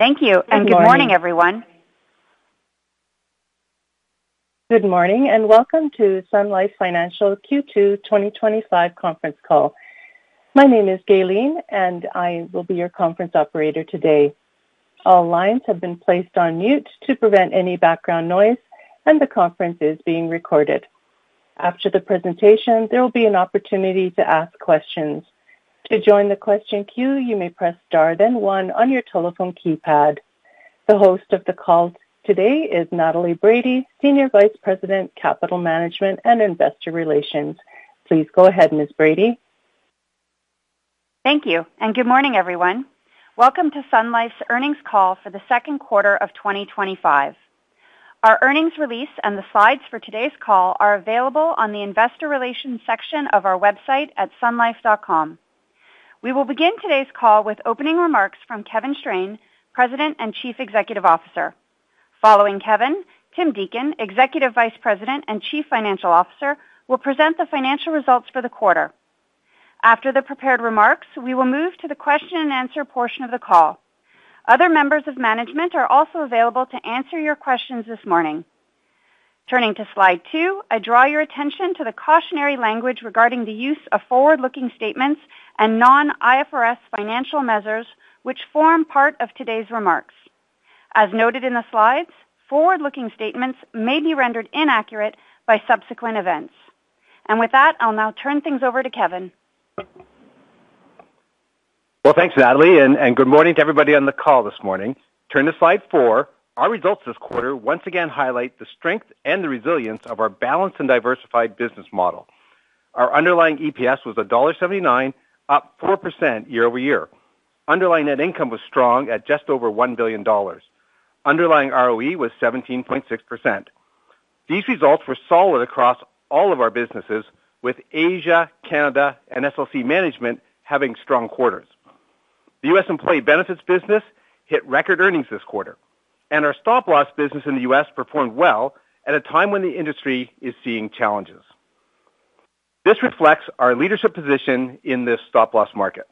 Thank you, and good morning, everyone. Good morning and welcome to Sun Life Financial Q2 2025 conference call. My name is Gaylene, and I will be your conference operator today. All lines have been placed on mute to prevent any background noise, and the conference is being recorded. After the presentation, there will be an opportunity to ask questions. To join the question queue, you may press Star, one on your telephone keypad. The host of the call today is Natalie Brady, Senior Vice President, Capital Management and Investor Relations. Please go ahead, Ms. Brady. Thank you, and good morning, everyone. Welcome to Sun Life's earnings call for the second quarter of 2025. Our earnings release and the slides for today's call are available on the Investor Relations section of our website at sunlife.com. We will begin today's call with opening remarks from Kevin Strain, President and Chief Executive Officer. Following Kevin, Tim Deacon, Executive Vice President and Chief Financial Officer, will present the financial results for the quarter. After the prepared remarks, we will move to the question and answer portion of the call. Other members of management are also available to answer your questions this morning. Turning to slide two, I draw your attention to the cautionary language regarding the use of forward-looking statements and non-IFRS financial measures, which form part of today's remarks. As noted in the slides, forward-looking statements may be rendered inaccurate by subsequent events. With that, I'll now turn things over to Kevin. Thanks, Natalie, and good morning to everybody on the call this morning. Turn to slide four. Our results this quarter once again highlight the strength and the resilience of our balanced and diversified business model. Our underlying EPS was $1.79, up 4% year-over-year. Underlying net income was strong at just over $1 billion. Underlying ROE was 17.6%. These results were solid across all of our businesses, with Asia, Canada, and SLC Management having strong quarters. The U.S. employee benefits business hit record earnings this quarter, and our stop-loss business in the U.S. performed well at a time when the industry is seeing challenges. This reflects our leadership position in this stop-loss market.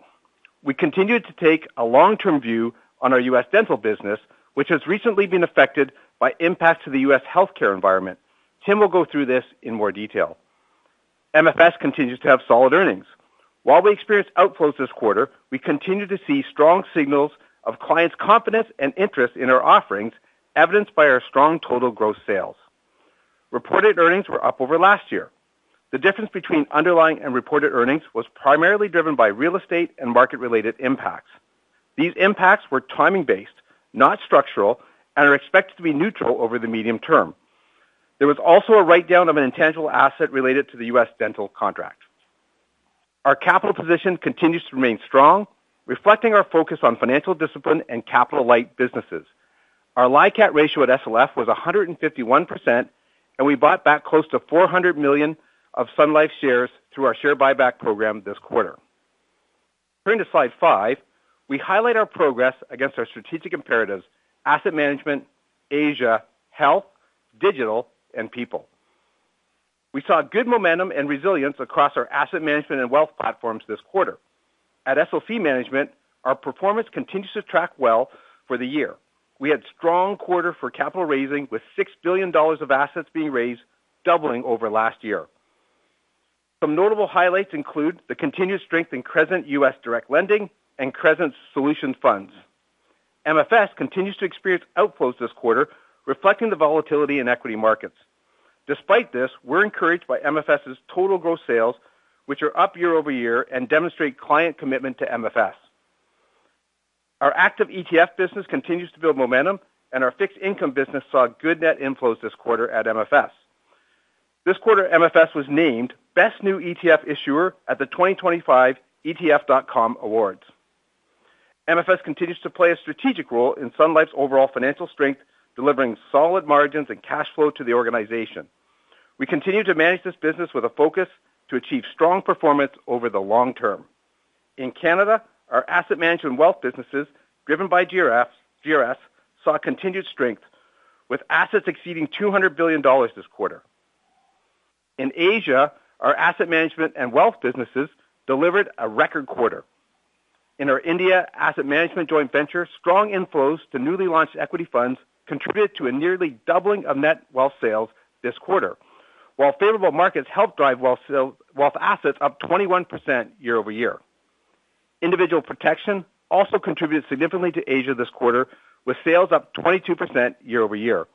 We continue to take a long-term view on our U.S. dental business, which has recently been affected by impacts to the U.S. healthcare environment. Tim will go through this in more detail. MFS continues to have solid earnings. While we experienced outflows this quarter, we continue to see strong signals of clients' confidence and interest in our offerings, evidenced by our strong total gross sales. Reported earnings were up over last year. The difference between underlying and reported earnings was primarily driven by real estate and market-related impacts. These impacts were timing-based, not structural, and are expected to be neutral over the medium term. There was also a write-down of an intangible asset related to the U.S. dental contract. Our capital position continues to remain strong, reflecting our focus on financial discipline and capital-light businesses. Our LICAT ratio at SLF was 151%, and we bought back close to $400 million of Sun Life shares through our share buyback program this quarter. Turn to slide five. We highlight our progress against our strategic imperatives: asset management, Asia, health, digital, and people. We saw good momentum and resilience across our asset management and wealth platforms this quarter. At SLC Management, our performance continues to track well for the year. We had a strong quarter for capital raising, with $6 billion of assets being raised, doubling over last year. Some notable highlights include the continued strength in Crescent U.S. Direct Lending and Crescent Solutions Funds. MFS continues to experience outflows this quarter, reflecting the volatility in equity markets. Despite this, we're encouraged by MFS's total gross sales, which are up year over year and demonstrate client commitment to MFS. Our active ETF business continues to build momentum, and our fixed income business saw good net inflows this quarter at MFS. This quarter, MFS was named Best New ETF Issuer at the 2025 etf.com Awards. MFS continues to play a strategic role in Sun Life's overall financial strength, delivering solid margins and cash flow to the organization. We continue to manage this business with a focus to achieve strong performance over the long term. In Canada, our asset management and wealth businesses, driven by GRF, saw continued strength, with assets exceeding $200 billion this quarter. In Asia, our asset management and wealth businesses delivered a record quarter. In our India asset management joint venture, strong inflows to newly launched equity funds contributed to a nearly doubling of net wealth sales this quarter, while favorable markets helped drive wealth assets up 21% year-over-year. Individual protection also contributed significantly to Asia this quarter, with sales up 22% year-over-year.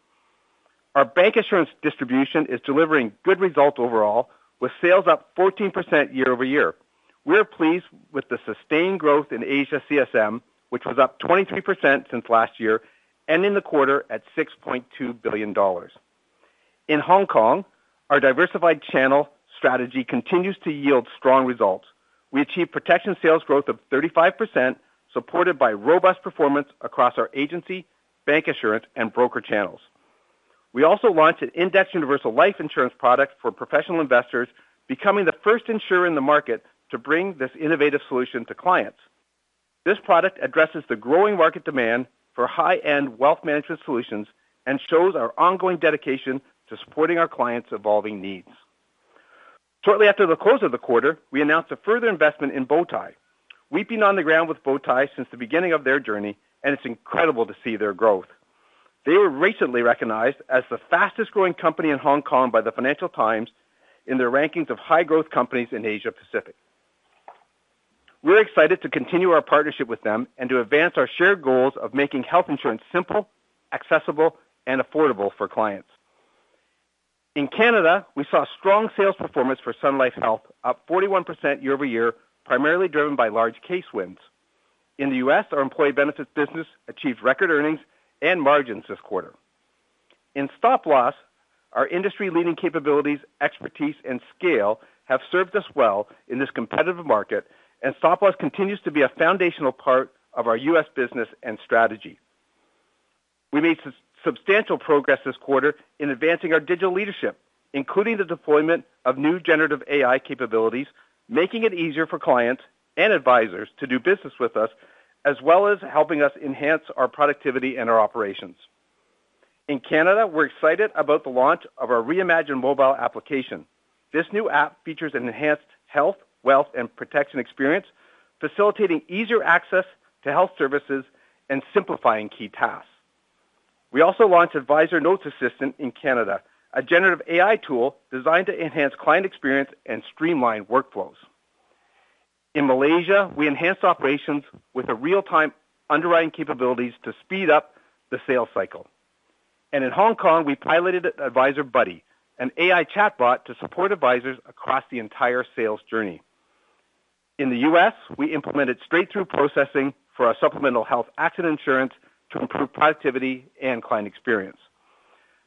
Our bancassurance distribution is delivering good results overall, with sales up 14% year-over-year. We're pleased with the sustained growth in Asia CSM, which was up 23% since last year, ending the quarter at $6.2 billion. In Hong Kong, our diversified channel strategy continues to yield strong results. We achieved protection sales growth of 35%, supported by robust performance across our agency, bancassurance, and broker channels. We also launched an indexed universal life insurance product for professional investors, becoming the first insurer in the market to bring this innovative solution to clients. This product addresses the growing market demand for high-end wealth management solutions and shows our ongoing dedication to supporting our clients' evolving needs. Shortly after the close of the quarter, we announced a further investment in Bowtie. We've been on the ground with Bowtie since the beginning of their journey, and it's incredible to see their growth. They were recently recognized as the fastest-growing company in Hong Kong by the Financial Times in their rankings of high-growth companies in Asia-Pacific. We're excited to continue our partnership with them and to advance our shared goals of making health insurance simple, accessible, and affordable for clients. In Canada, we saw strong sales performance for Sun Life Health, up 41% year-over-year, primarily driven by large case wins. In the U.S., our employee benefits business achieved record earnings and margins this quarter. In stop loss, our industry-leading capabilities, expertise, and scale have served us well in this competitive market, and stop loss continues to be a foundational part of our U.S. business and strategy. We made substantial progress this quarter in advancing our digital leadership, including the deployment of new generative AI capabilities, making it easier for clients and advisors to do business with us, as well as helping us enhance our productivity and our operations. In Canada, we're excited about the launch of our Reimagine Mobile app. This new app features an enhanced health, wealth, and protection experience, facilitating easier access to health services and simplifying key tasks. We also launched Advisor Notes Assistant in Canada, a generative AI tool designed to enhance client experience and streamline workflows. In Malaysia, we enhanced operations with real-time underwriting capabilities to speed up the sales cycle. In Hong Kong, we piloted AdviserBuddy, an AI chatbot to support advisors across the entire sales journey. In the U.S., we implemented straight-through processing for our supplemental health accident insurance to improve productivity and client experience.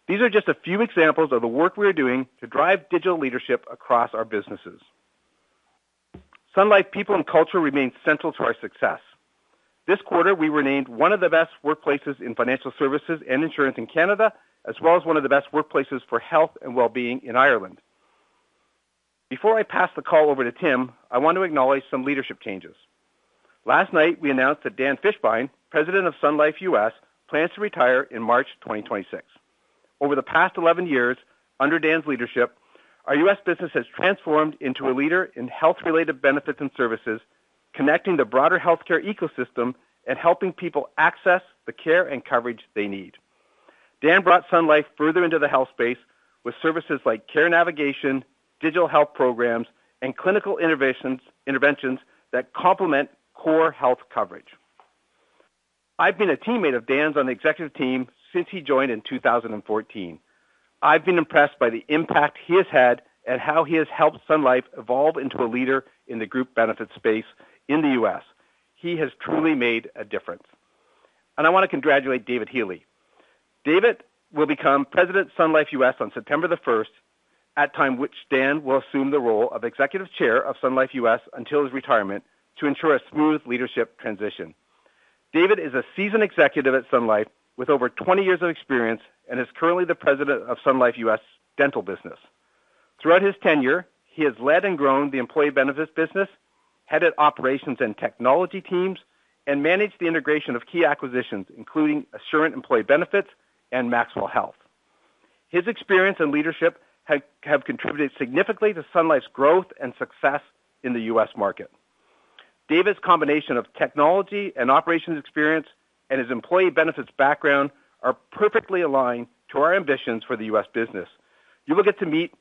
These are just a few examples of the work we're doing to drive digital leadership across our businesses. Sun Life people and culture remain central to our success. This quarter, we were named one of the best workplaces in financial services and insurance in Canada, as well as one of the best workplaces for health and well-being in Ireland. Before I pass the call over to Tim, I want to acknowledge some leadership changes. Last night, we announced that Dan Fishbein, President of Sun Life U.S., plans to retire in March 2026. Over the past 11 years, under Dan's leadership, our U.S. business has transformed into a leader in health-related benefits and services, connecting the broader healthcare ecosystem and helping people access the care and coverage they need. Dan brought Sun Life further into the health space with services like care navigation, digital health programs, and clinical interventions that complement core health coverage. I've been a teammate of Dan's on the executive team since he joined in 2014. I've been impressed by the impact he has had and how he has helped Sun Life evolve into a leader in the group benefits space in the U.S. He has truly made a difference. I want to congratulate David Healy. David will become President of Sun Life U.S. on September 1st, at a time which Dan will assume the role of Executive Chair of Sun Life U.S. until his retirement to ensure a smooth leadership transition. David is a seasoned executive at Sun Life with over 20 years of experience and is currently the President of Sun Life U.S. dental business. Throughout his tenure, he has led and grown the employee benefits business, headed operations and technology teams, and managed the integration of key acquisitions, including Assurant Employee Benefits and Maximal Health. His experience and leadership have contributed significantly to Sun Life's growth and success in the U.S. market. David's combination of technology and operations experience and his employee benefits background are perfectly aligned to our ambitions for the U.S. business. You will get to meet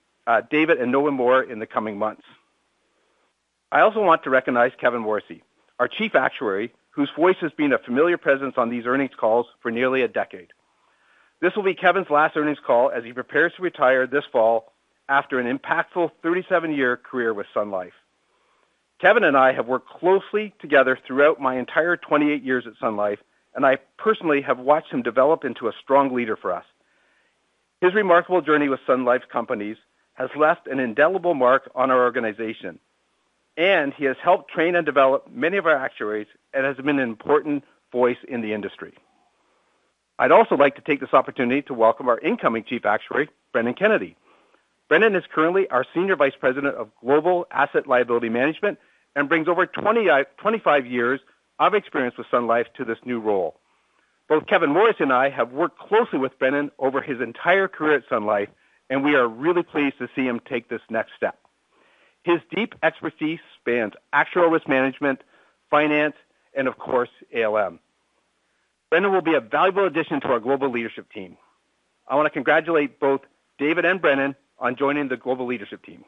David and no one more in the coming months. I also want to recognize Kevin Morrissey, our Chief Actuary, whose voice has been a familiar presence on these earnings calls for nearly a decade. This will be Kevin's last earnings call as he prepares to retire this fall after an impactful 37-year career with Sun Life. Kevin and I have worked closely together throughout my entire 28 years at Sun Life, and I personally have watched him develop into a strong leader for us. His remarkable journey with Sun Life's companies has left an indelible mark on our organization, and he has helped train and develop many of our actuaries and has been an important voice in the industry. I'd also like to take this opportunity to welcome our incoming Chief Actuary, Brendan Kennedy. Brendan is currently our Senior Vice President of Global Asset Liability Management and brings over 25 years of experience with Sun Life to this new role. Both Kevin Morrissey and I have worked closely with Brendan over his entire career at Sun Life, and we are really pleased to see him take this next step. His deep expertise spans actuarial risk management, finance, and of course, ALM. Brendan will be a valuable addition to our global leadership team. I want to congratulate both David and Brendan on joining the global leadership team.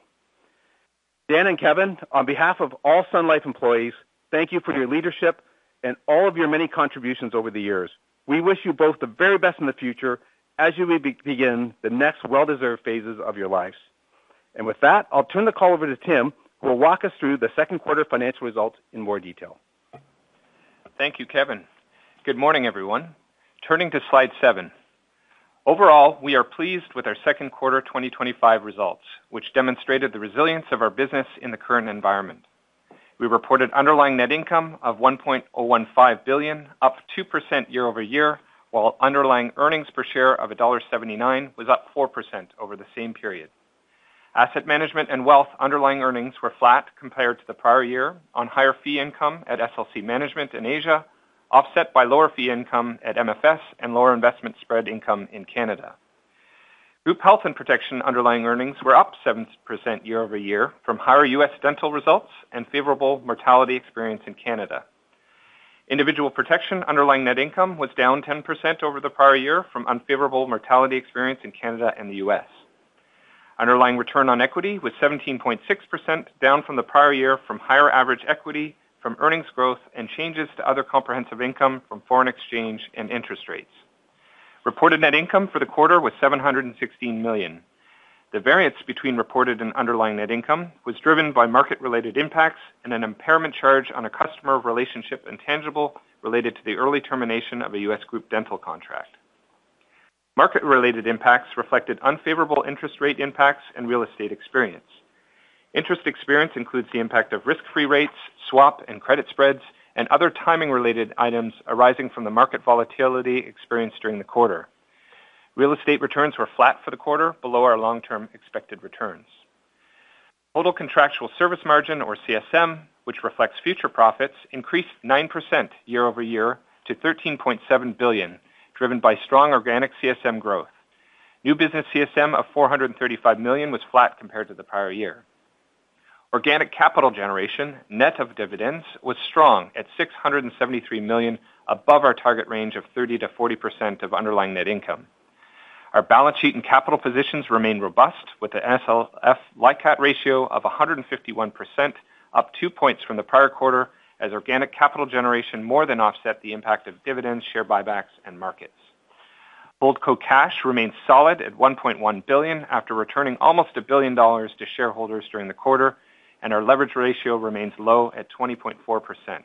Dan and Kevin, on behalf of all Sun Life employees, thank you for your leadership and all of your many contributions over the years. We wish you both the very best in the future as you begin the next well-deserved phases of your lives. With that, I'll turn the call over to Tim, who will walk us through the second quarter financial results in more detail. Thank you, Kevin. Good morning, everyone. Turning to slide seven. Overall, we are pleased with our second quarter 2025 results, which demonstrated the resilience of our business in the current environment. We reported underlying net income of $1.015 billion, up 2% year-over-year, while underlying earnings per share of $1.79 was up 4% over the same period. Asset management and wealth underlying earnings were flat compared to the prior year on higher fee income at SLC Management in Asia, offset by lower fee income at MFS Investment Management and lower investment spread income in Canada. Group health and protection underlying earnings were up 7% year-over-year from higher U.S. dental results and favorable mortality experience in Canada. Individual protection underlying net income was down 10% over the prior year from unfavorable mortality experience in Canada and the U.S. Underlying return on equity was 17.6%, down from the prior year from higher average equity from earnings growth and changes to other comprehensive income from foreign exchange and interest rates. Reported net income for the quarter was $716 million. The variance between reported and underlying net income was driven by market-related impacts and an impairment charge on a customer relationship intangible related to the early termination of a U.S. group dental contract. Market-related impacts reflected unfavorable interest rate impacts and real estate experience. Interest experience includes the impact of risk-free rates, swap and credit spreads, and other timing-related items arising from the market volatility experienced during the quarter. Real estate returns were flat for the quarter, below our long-term expected returns. Total contractual service margin, or CSM, which reflects future profits, increased 9% year-over-year to $13.7 billion, driven by strong organic CSM growth. New business CSM of $435 million was flat compared to the prior year. Organic capital generation, net of dividends, was strong at $673 million, above our target range of 30%-40% of underlying net income. Our balance sheet and capital positions remain robust, with an SLF LICAT ratio of 151%, up two points from the prior quarter, as organic capital generation more than offset the impact of dividends, share buybacks, and markets. Holdco cash remains solid at $1.1 billion after returning almost $1 billion to shareholders during the quarter, and our leverage ratio remains low at 20.4%.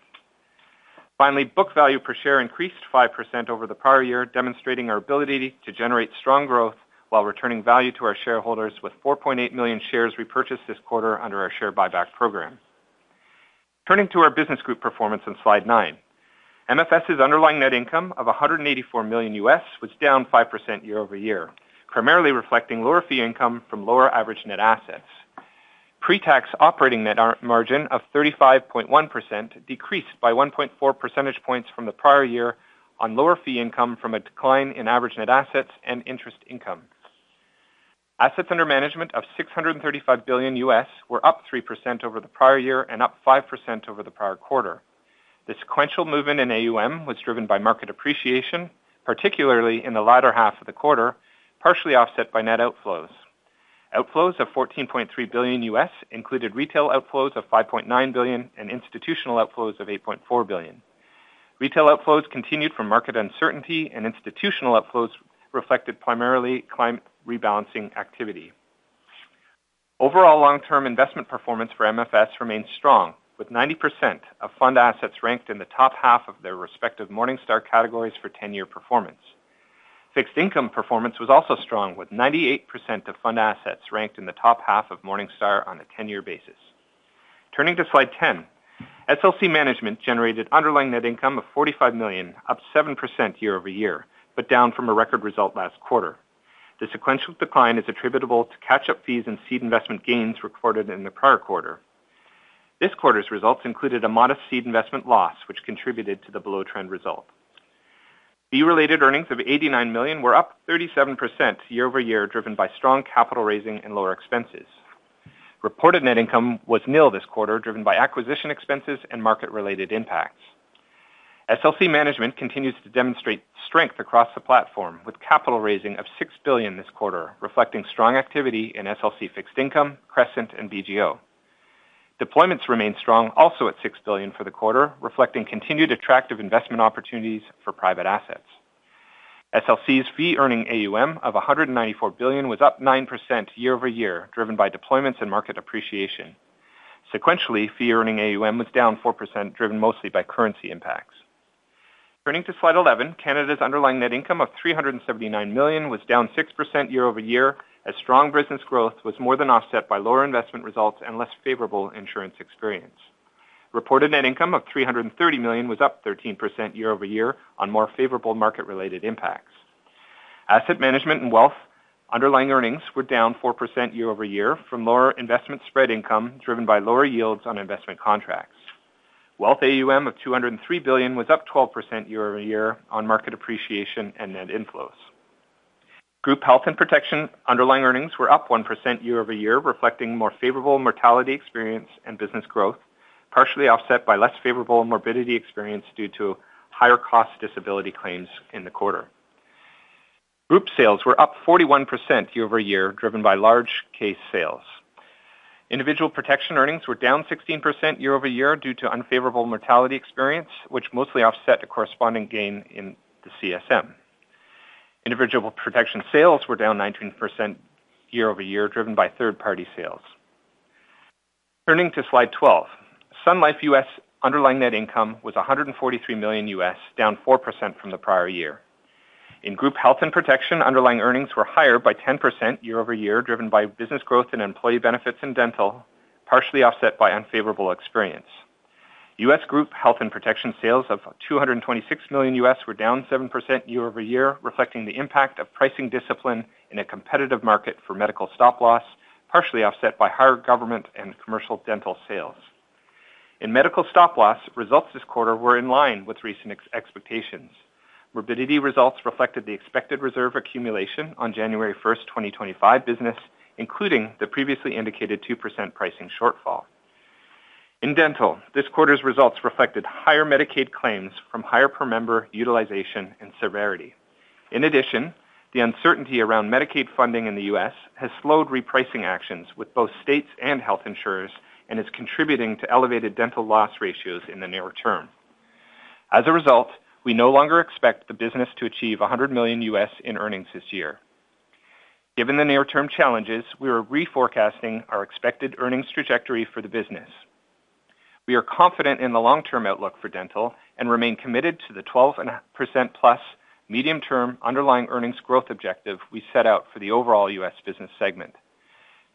Finally, book value per share increased 5% over the prior year, demonstrating our ability to generate strong growth while returning value to our shareholders with 4.8 million shares repurchased this quarter under our share buyback program. Turning to our business group performance on slide nine. MFS Investment Management's underlying net income of $184 million was down 5% year-over-year, primarily reflecting lower fee income from lower average net assets. Pre-tax operating net margin of 35.1% decreased by 1.4 percentage points from the prior year on lower fee income from a decline in average net assets and interest income. Assets under management of $635 billion were up 3% over the prior year and up 5% over the prior quarter. The sequential movement in AUM was driven by market appreciation, particularly in the latter half of the quarter, partially offset by net outflows. Outflows of $14.3 billion included retail outflows of $5.9 billion and institutional outflows of $8.4 billion. Retail outflows continued from market uncertainty, and institutional outflows reflected primarily climate rebalancing activity. Overall, long-term investment performance for MFS Investment Management remains strong, with 90% of fund assets ranked in the top half of their respective Morningstar categories for 10-year performance. Fixed income performance was also strong, with 98% of fund assets ranked in the top half of Morningstar on a 10-year basis. Turning to slide 10. SLC Management generated underlying net income of $45 million, up 7% year-over-year, but down from a record result last quarter. The sequential decline is attributable to catch-up fees and seed investment gains recorded in the prior quarter. This quarter's results included a modest seed investment loss, which contributed to the below-trend result. Fee-related earnings of $89 million were up 37% year-over-year, driven by strong capital raising and lower expenses. Reported net income was nil this quarter, driven by acquisition expenses and market-related impacts. SLC Management continues to demonstrate strength across the platform, with capital raising of $6 billion this quarter, reflecting strong activity in SLC fixed income, Crescent and BGO. Deployments remain strong, also at $6 billion for the quarter, reflecting continued attractive investment opportunities for private assets. SLC Management's fee-earning AUM of $194 billion was up 9% year-over-year, driven by deployments and market appreciation. Sequentially, fee-earning AUM was down 4%, driven mostly by currency impacts. Turning to slide 11, Canada's underlying net income of $379 million was down 6% year-over-year, as strong business growth was more than offset by lower investment results and less favorable insurance experience. Reported net income of $330 million was up 13% year-over-year on more favorable market-related impacts. Asset management and wealth underlying earnings were down 4% year-over-year from lower investment spread income, driven by lower yields on investment contracts. Wealth AUM of $203 billion was up 12% year-over-year on market appreciation and net inflows. Group health and protection underlying earnings were up 1% year-over-year, reflecting more favorable mortality experience and business growth, partially offset by less favorable morbidity experience due to higher cost disability claims in the quarter. Group sales were up 41% year-over-year, driven by large case sales. Individual protection earnings were down 16% year-over-year due to unfavorable mortality experience, which mostly offset a corresponding gain in the CSM. Individual protection sales were down 19% year-over-year, driven by third-party sales. Turning to slide 12. Sun Life U.S. underlying net income was $143 million, down 4% from the prior year. In group health and protection, underlying earnings were higher by 10% year-over-year, driven by business growth and employee benefits in dental, partially offset by unfavorable experience. U.S. group health and protection sales of $226 million were down 7% year-over-year, reflecting the impact of pricing discipline in a competitive market for medical stop loss, partially offset by higher government and commercial dental sales. In medical stop loss, results this quarter were in line with recent expectations. Morbidity results reflected the expected reserve accumulation on January 1st, 2025 business, including the previously indicated 2% pricing shortfall. In dental, this quarter's results reflected higher Medicaid claims from higher per-member utilization and severity. In addition, the uncertainty around Medicaid funding in the U.S. has slowed repricing actions with both states and health insurers and is contributing to elevated dental loss ratios in the nearer term. As a result, we no longer expect the business to achieve $100 million in earnings this year. Given the near-term challenges, we are reforecasting our expected earnings trajectory for the business. We are confident in the long-term outlook for dental and remain committed to the 12%+ medium-term underlying earnings growth objective we set out for the overall U.S. business segment.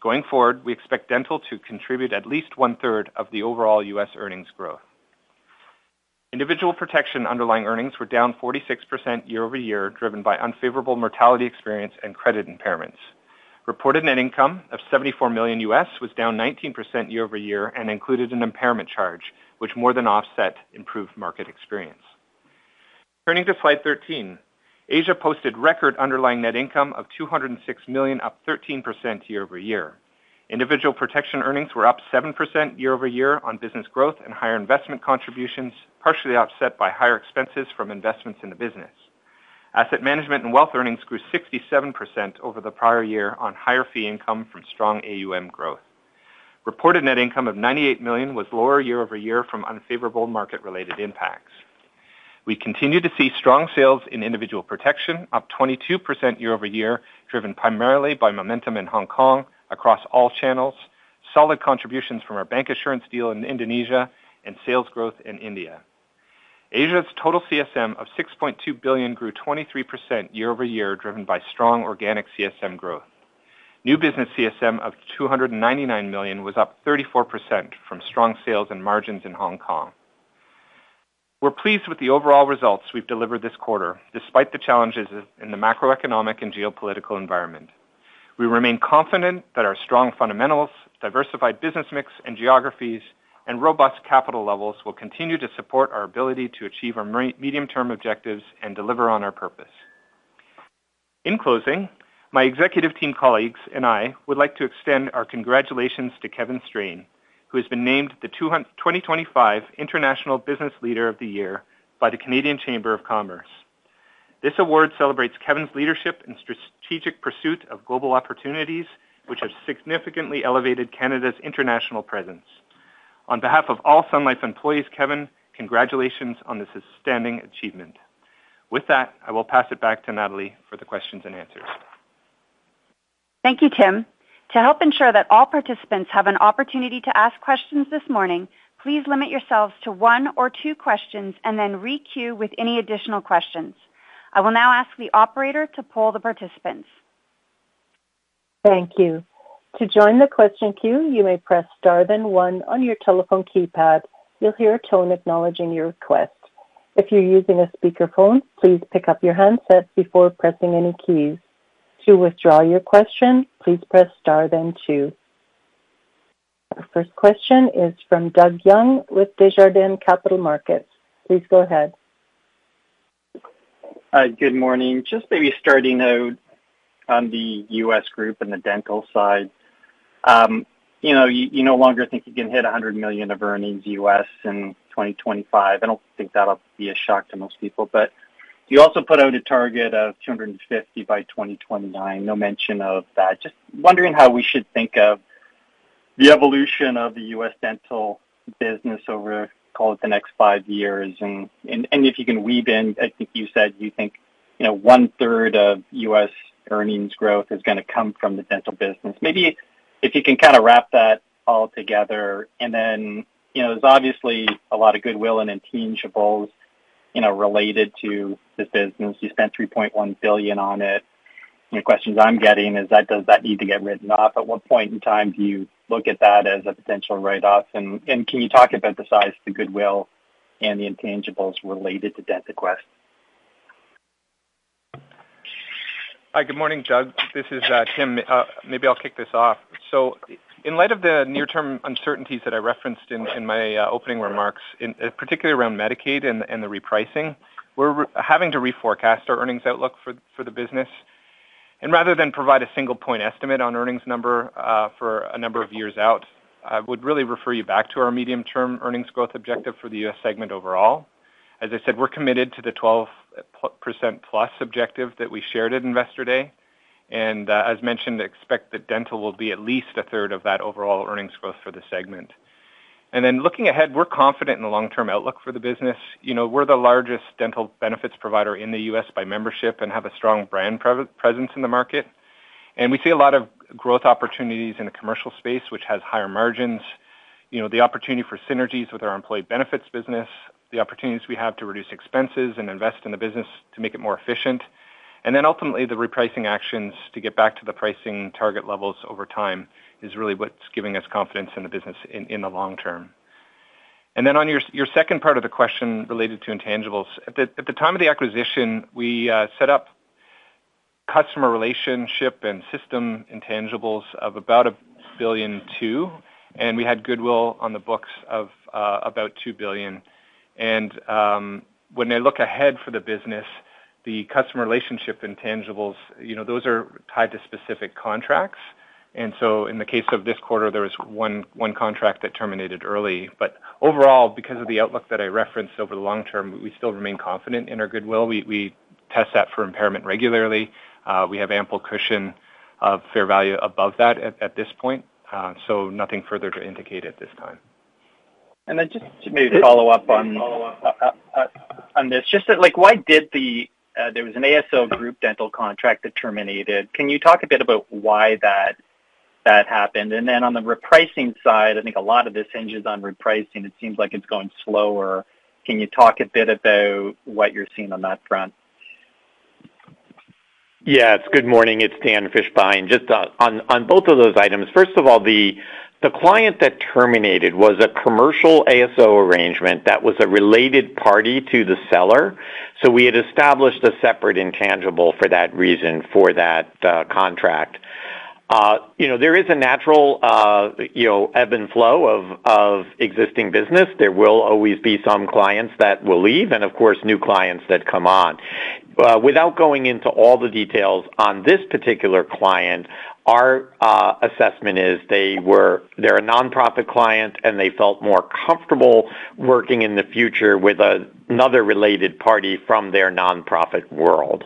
Going forward, we expect dental to contribute at least one-third of the overall U.S. earnings growth. Individual protection underlying earnings were down 46% year-over-year, driven by unfavorable mortality experience and credit impairments. Reported net income of $74 million was down 19% year-over-year and included an impairment charge, which more than offset improved market experience. Turning to slide 13. Asia posted record underlying net income of $206 million, up 13% year-over-year. Individual protection earnings were up 7% year-over-year on business growth and higher investment contributions, partially offset by higher expenses from investments in the business. Asset management and wealth earnings grew 67% over the prior year on higher fee income from strong AUM growth. Reported net income of $98 million was lower year-over-year from unfavorable market-related impacts. We continue to see strong sales in individual protection, up 22% year-over-year, driven primarily by momentum in Hong Kong across all channels, solid contributions from our bancassurance deal in Indonesia, and sales growth in India. Asia's total CSM of $6.2 billion grew 23% year-over-year, driven by strong organic CSM growth. New business CSM of $299 million was up 34% from strong sales and margins in Hong Kong. We're pleased with the overall results we've delivered this quarter, despite the challenges in the macroeconomic and geopolitical environment. We remain confident that our strong fundamentals, diversified business mix and geographies, and robust capital levels will continue to support our ability to achieve our medium-term objectives and deliver on our purpose. In closing, my executive team colleagues and I would like to extend our congratulations to Kevin Strain, who has been named the 2025 International Business Leader of the Year by the Canadian Chamber of Commerce. This award celebrates Kevin's leadership and strategic pursuit of global opportunities, which have significantly elevated Canada's international presence. On behalf of all Sun Life employees, Kevin, congratulations on this outstanding achievement. With that, I will pass it back to Natalie for the questions and answers. Thank you, Tim. To help ensure that all participants have an opportunity to ask questions this morning, please limit yourselves to one or two questions and then re-queue with any additional questions. I will now ask the operator to poll the participants. Thank you. To join the question queue, you may press Star, one on your telephone keypad. You'll hear a tone acknowledging your request. If you're using a speakerphone, please pick up your handset before pressing any keys. To withdraw your question, please press Star then two. Our first question is from Doug Young with Desjardins Capital Markets. Please go ahead. Good morning. Just maybe starting out on the U.S. group and the dental side, you know, you no longer think you can hit $100 million of earnings U.S. in 2025. I don't think that'll be a shock to most people, but you also put out a target of $250 million by 2029, no mention of that. Just wondering how we should think of the evolution of the U.S. dental business over, call it the next five years. If you can weave in, I think you said you think, you know, one-third of U.S. earnings growth is going to come from the dental business. Maybe if you can kind of wrap that all together. There's obviously a lot of goodwill and intangibles, you know, related to the business. You spent $3.1 billion on it. The questions I'm getting is that does that need to get written off? At what point in time do you look at that as a potential write-off? Can you talk about the size of the goodwill and the intangibles related to DentaQuest? Hi, good morning, Doug. This is Tim. Maybe I'll kick this off. In light of the near-term uncertainties that I referenced in my opening remarks, particularly around Medicaid and the repricing, we're having to reforecast our earnings outlook for the business. Rather than provide a single-point estimate on earnings number for a number of years out, I would really refer you back to our medium-term earnings growth objective for the U.S. segment overall. As I said, we're committed to the 12%+ objective that we shared at Investor Day. As mentioned, expect that dental will be at least a third of that overall earnings growth for the segment. Looking ahead, we're confident in the long-term outlook for the business. We're the largest dental benefits provider in the U.S. by membership and have a strong brand presence in the market. We see a lot of growth opportunities in the commercial space, which has higher margins. The opportunity for synergies with our employee benefits business, the opportunities we have to reduce expenses and invest in the business to make it more efficient. Ultimately, the repricing actions to get back to the pricing target levels over time is really what's giving us confidence in the business in the long term. On your second part of the question related to intangibles, at the time of the acquisition, we set up customer relationship and system intangibles of about $1.2 billion, and we had goodwill on the books of about $2 billion. When I look ahead for the business, the customer relationship intangibles, those are tied to specific contracts. In the case of this quarter, there was one contract that terminated early. Overall, because of the outlook that I referenced over the long term, we still remain confident in our goodwill. We test that for impairment regularly. We have ample cushion of fair value above that at this point. Nothing further to indicate at this time. Just to maybe follow up on this, why did the ASL group dental contract terminate? Can you talk a bit about why that happened? On the repricing side, I think a lot of this hinges on repricing. It seems like it's going slower. Can you talk a bit about what you're seeing on that front? Good morning. It's Dan Fishbein. Just on both of those items. First of all, the client that terminated was a commercial ASL arrangement that was a related party to the seller. We had established a separate intangible for that reason for that contract. There is a natural ebb and flow of existing business. There will always be some clients that will leave and, of course, new clients that come on. Without going into all the details on this particular client, our assessment is they were a nonprofit client and they felt more comfortable working in the future with another related party from their nonprofit world.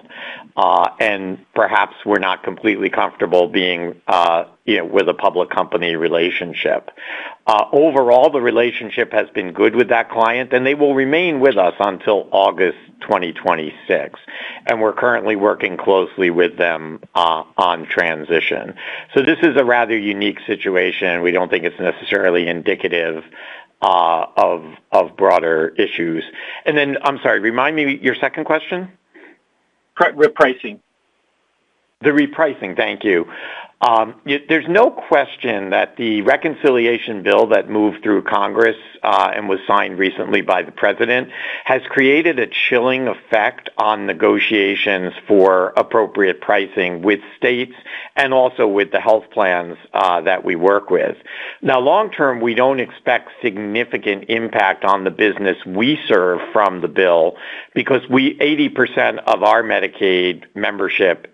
Perhaps they were not completely comfortable being with a public company relationship. Overall, the relationship has been good with that client and they will remain with us until August 2026. We are currently working closely with them on transition. This is a rather unique situation. We do not think it is necessarily indicative of broader issues. I'm sorry, remind me your second question? Repricing. The repricing, thank you. There's no question that the reconciliation bill that moved through Congress and was signed recently by the President has created a chilling effect on negotiations for appropriate pricing with states and also with the health plans that we work with. Now, long term, we don't expect significant impact on the business we serve from the bill because we, 80% of our Medicaid membership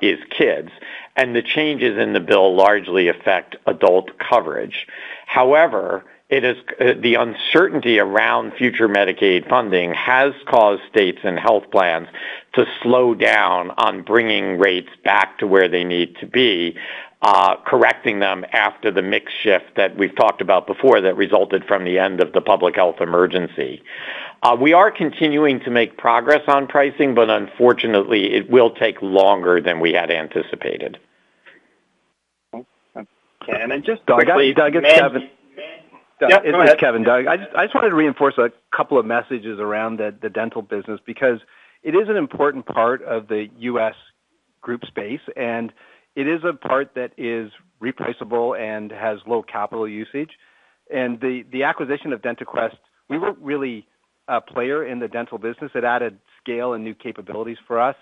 is kids, and the changes in the bill largely affect adult coverage. However, it is the uncertainty around future Medicaid funding that has caused states and health plans to slow down on bringing rates back to where they need to be, correcting them after the mix shift that we've talked about before that resulted from the end of the public health emergency. We are continuing to make progress on pricing, but unfortunately, it will take longer than we had anticipated. Doug, it's Kevin. Yeah, it's Kevin. Doug, I just wanted to reinforce a couple of messages around the dental business because it is an important part of the U.S. group space and it is a part that is repricable and has low capital usage. The acquisition of DentaQuest, we weren't really a player in the dental business. It added scale and new capabilities for us.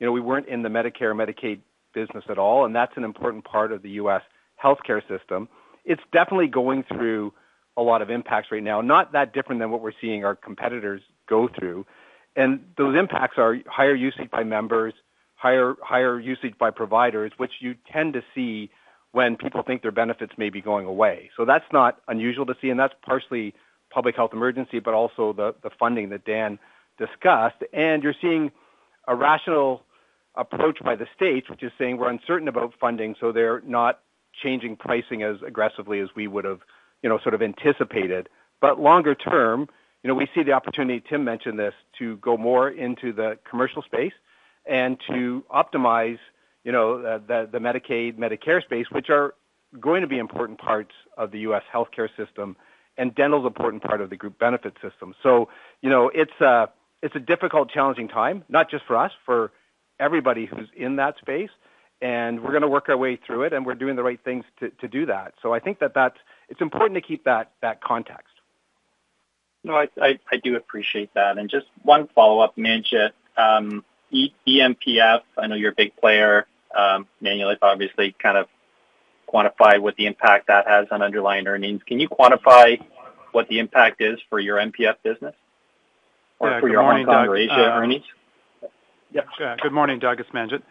You know, we weren't in the Medicare and Medicaid business at all, and that's an important part of the U.S. healthcare system. It's definitely going through a lot of impacts right now, not that different than what we're seeing our competitors go through. Those impacts are higher usage by members, higher usage by providers, which you tend to see when people think their benefits may be going away. That's not unusual to see, and that's partially a public health emergency, but also the funding that Dan discussed. You're seeing a rational approach by the states, which is saying we're uncertain about funding, so they're not changing pricing as aggressively as we would have, you know, sort of anticipated. Longer term, you know, we see the opportunity, Tim mentioned this, to go more into the commercial space and to optimize, you know, the Medicaid and Medicare space, which are going to be important parts of the U.S. healthcare system and dental's important part of the group benefit system. It's a difficult, challenging time, not just for us, for everybody who's in that space, and we're going to work our way through it and we're doing the right things to do that. I think that that's, it's important to keep that context. No, I do appreciate that. Just one follow-up, Manjit. EMPF, I know you're a big player, Manulife obviously kind of quantified what the impact that has on underlying earnings. Can you quantify what the impact is for your MPF business? Or for your earnings operation? Yeah, good morning, Doug. It's Manjit.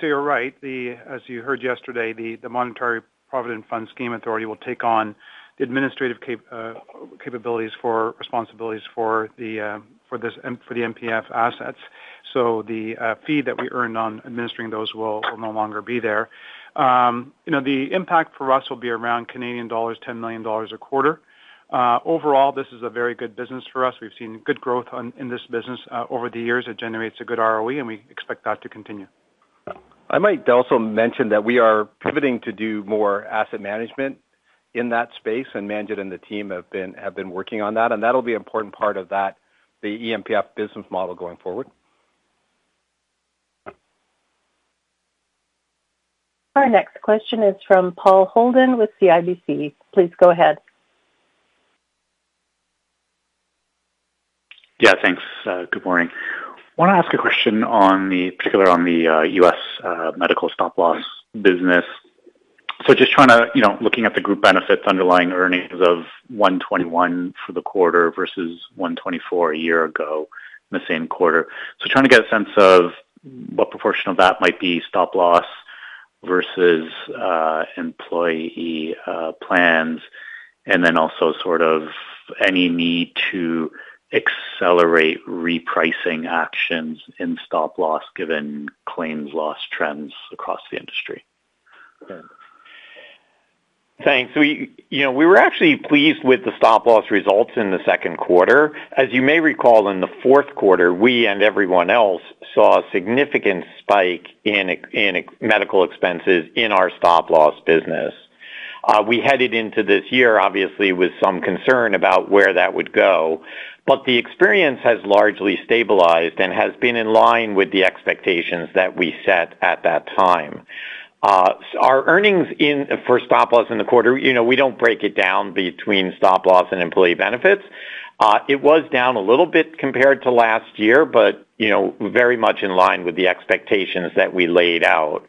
You're right. As you heard yesterday, the Monetary Provident Fund Scheme Authority will take on the administrative capabilities for responsibilities for the MPF assets. The fee that we earned on administering those will no longer be there. The impact for us will be around Canadian dollars 10 million a quarter. Overall, this is a very good business for us. We've seen good growth in this business over the years. It generates a good ROE and we expect that to continue. I might also mention that we are pivoting to do more asset management in that space. Manjit and the team have been working on that, and that'll be an important part of the EMPF business model going forward. Our next question is from Paul Holden with CIBC. Please go ahead. Yeah, thanks. Good morning. I want to ask a question in particular on the U.S. medical stop loss business. Just trying to, you know, looking at the group benefits underlying earnings of $121 million for the quarter versus $124 million a year ago in the same quarter. Trying to get a sense of what proportion of that might be stop loss versus employee plans, and then also any need to accelerate repricing actions in stop loss given claims loss trends across the industry. Thanks. We were actually pleased with the stop loss results in the second quarter. As you may recall, in the fourth quarter, we and everyone else saw a significant spike in medical expenses in our stop loss business. We headed into this year, obviously, with some concern about where that would go. The experience has largely stabilized and has been in line with the expectations that we set at that time. Our earnings for stop loss in the quarter, we don't break it down between stop loss and employee benefits. It was down a little bit compared to last year, but very much in line with the expectations that we laid out.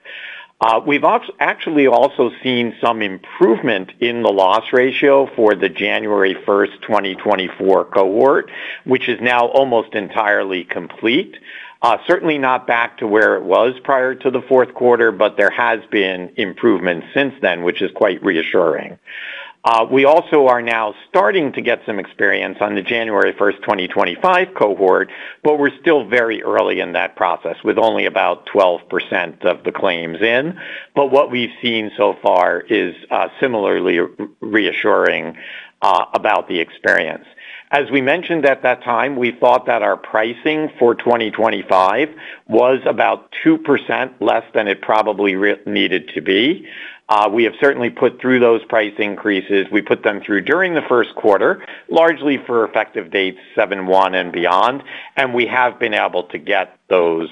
We've actually also seen some improvement in the loss ratio for the January 1st, 2024 cohort, which is now almost entirely complete. Certainly not back to where it was prior to the fourth quarter, but there has been improvement since then, which is quite reassuring. We also are now starting to get some experience on the January 1st, 2025 cohort. We're still very early in that process with only about 12% of the claims in. What we've seen so far is similarly reassuring about the experience. As we mentioned at that time, we thought that our pricing for 2025 was about 2% less than it probably needed to be. We have certainly put through those price increases. We put them through during the first quarter, largely for effective dates 7/1 and beyond, and we have been able to get those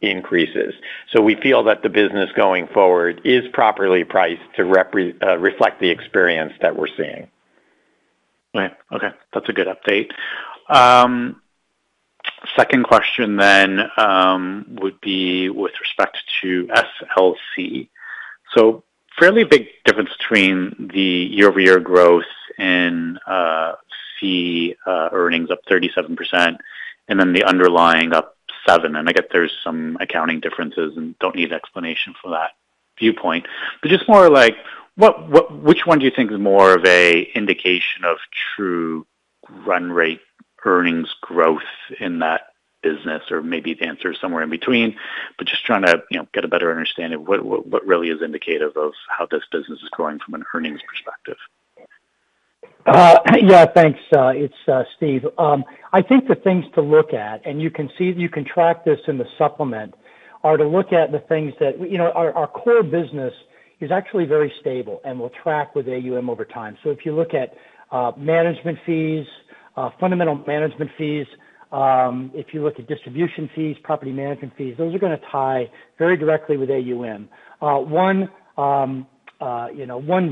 increases. We feel that the business going forward is properly priced to reflect the experience that we're seeing. Okay, that's a good update. Second question then would be with respect to SLC. Fairly big difference between the year-over-year growth in C earnings up 37% and then the underlying up 7%. I get there's some accounting differences and don't need explanation for that viewpoint. Just more like which one do you think is more of an indication of true run rate earnings growth in that business, or maybe the answer is somewhere in between. Just trying to get a better understanding of what really is indicative of how this business is growing from an earnings perspective. Yeah, thanks. It's Steve. I think the things to look at, and you can see that you can track this in the supplement, are to look at the things that, you know, our core business is actually very stable and will track with AUM over time. If you look at management fees, fundamental management fees, if you look at distribution fees, property management fees, those are going to tie very directly with AUM. One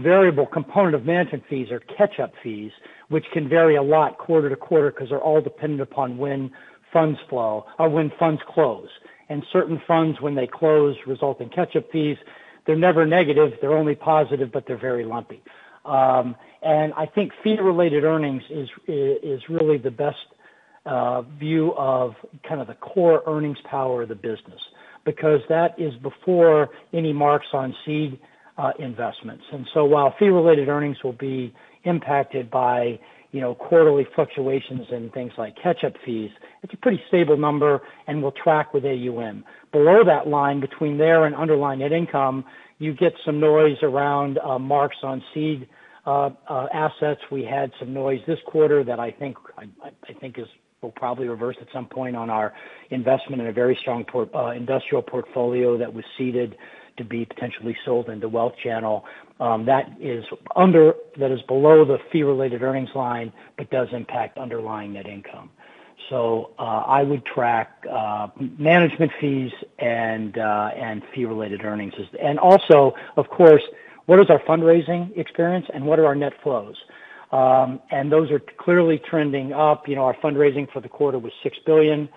variable component of management fees are catch-up fees, which can vary a lot quarter to quarter because they're all dependent upon when funds flow or when funds close. Certain funds, when they close, result in catch-up fees. They're never negative. They're only positive, but they're very lumpy. I think fee-related earnings is really the best view of kind of the core earnings power of the business because that is before any marks on seed investments. While fee-related earnings will be impacted by quarterly fluctuations and things like catch-up fees, it's a pretty stable number and will track with AUM. Below that line between there and underlying net income, you get some noise around marks on seed assets. We had some noise this quarter that I think will probably reverse at some point on our investment in a very strong industrial portfolio that was seeded to be potentially sold into WealthChannel. That is below the fee-related earnings line, but does impact underlying net income. I would track management fees and fee-related earnings. Also, of course, what is our fundraising experience and what are our net flows? Those are clearly trending up. Our fundraising for the quarter was $6 billion,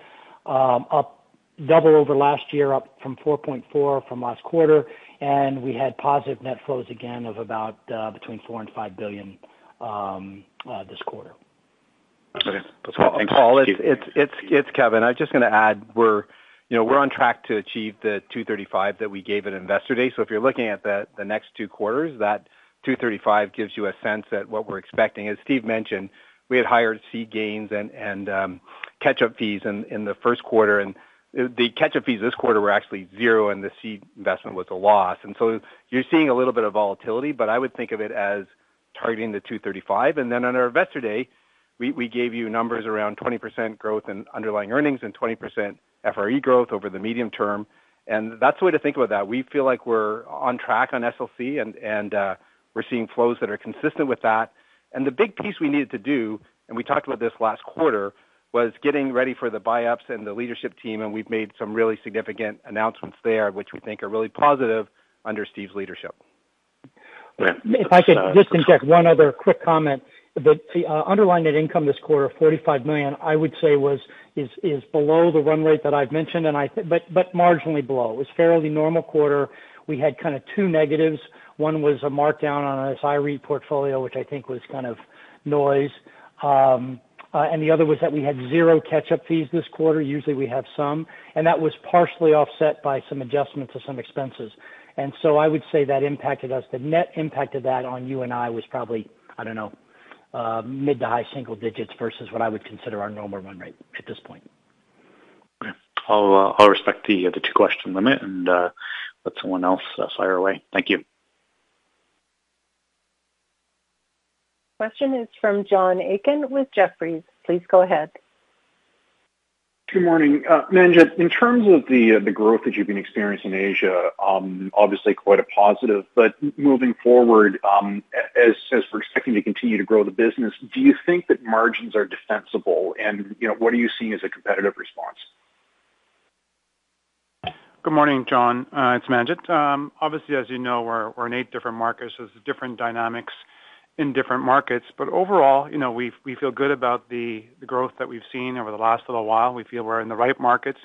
up double over last year, up from $4.4 billion from last quarter. We had positive net flows again of about between $4 billion and $5 billion this quarter. That's all it. It's Kevin. I'm just going to add, we're on track to achieve the $235 million that we gave at Investor Day. If you're looking at the next two quarters, that $235 million gives you a sense at what we're expecting. As Steve mentioned, we had higher seed gains and catch-up fees in the first quarter, and the catch-up fees this quarter were actually zero and the seed investment was a loss. You're seeing a little bit of volatility, but I would think of it as targeting the $235 million. On our Investor Day, we gave you numbers around 20% growth in underlying earnings and 20% FRE growth over the medium term. That's the way to think about that. We feel like we're on track on SLC and we're seeing flows that are consistent with that. The big piece we needed to do, and we talked about this last quarter, was getting ready for the buyups and the leadership team. We've made some really significant announcements there, which we think are really positive under Steve's leadership. If I could just inject one other quick comment, the underlying net income this quarter, $45 million, I would say is below the run rate that I've mentioned, but marginally below. It was a fairly normal quarter. We had two negatives. One was a markdown on an SRE portfolio, which I think was kind of noise. The other was that we had zero catch-up fees this quarter. Usually, we have some. That was partially offset by some adjustments to some expenses. I would say that impacted us, the net impact of that on you and I was probably, I don't know, mid to high single digits versus what I would consider our normal run rate at this point. Okay. I'll respect the two question limit and let someone else fire away. Thank you. Question is from John Aiken with Jefferies. Please go ahead. Good morning. Manjit, in terms of the growth that you've been experiencing in Asia, obviously quite a positive, but moving forward, as we're expecting to continue to grow the business, do you think that margins are defensible? What are you seeing as a competitive response? Good morning, John. It's Manjit. Obviously, as you know, we're in eight different markets, so there's different dynamics in different markets. Overall, we feel good about the growth that we've seen over the last little while. We feel we're in the right markets,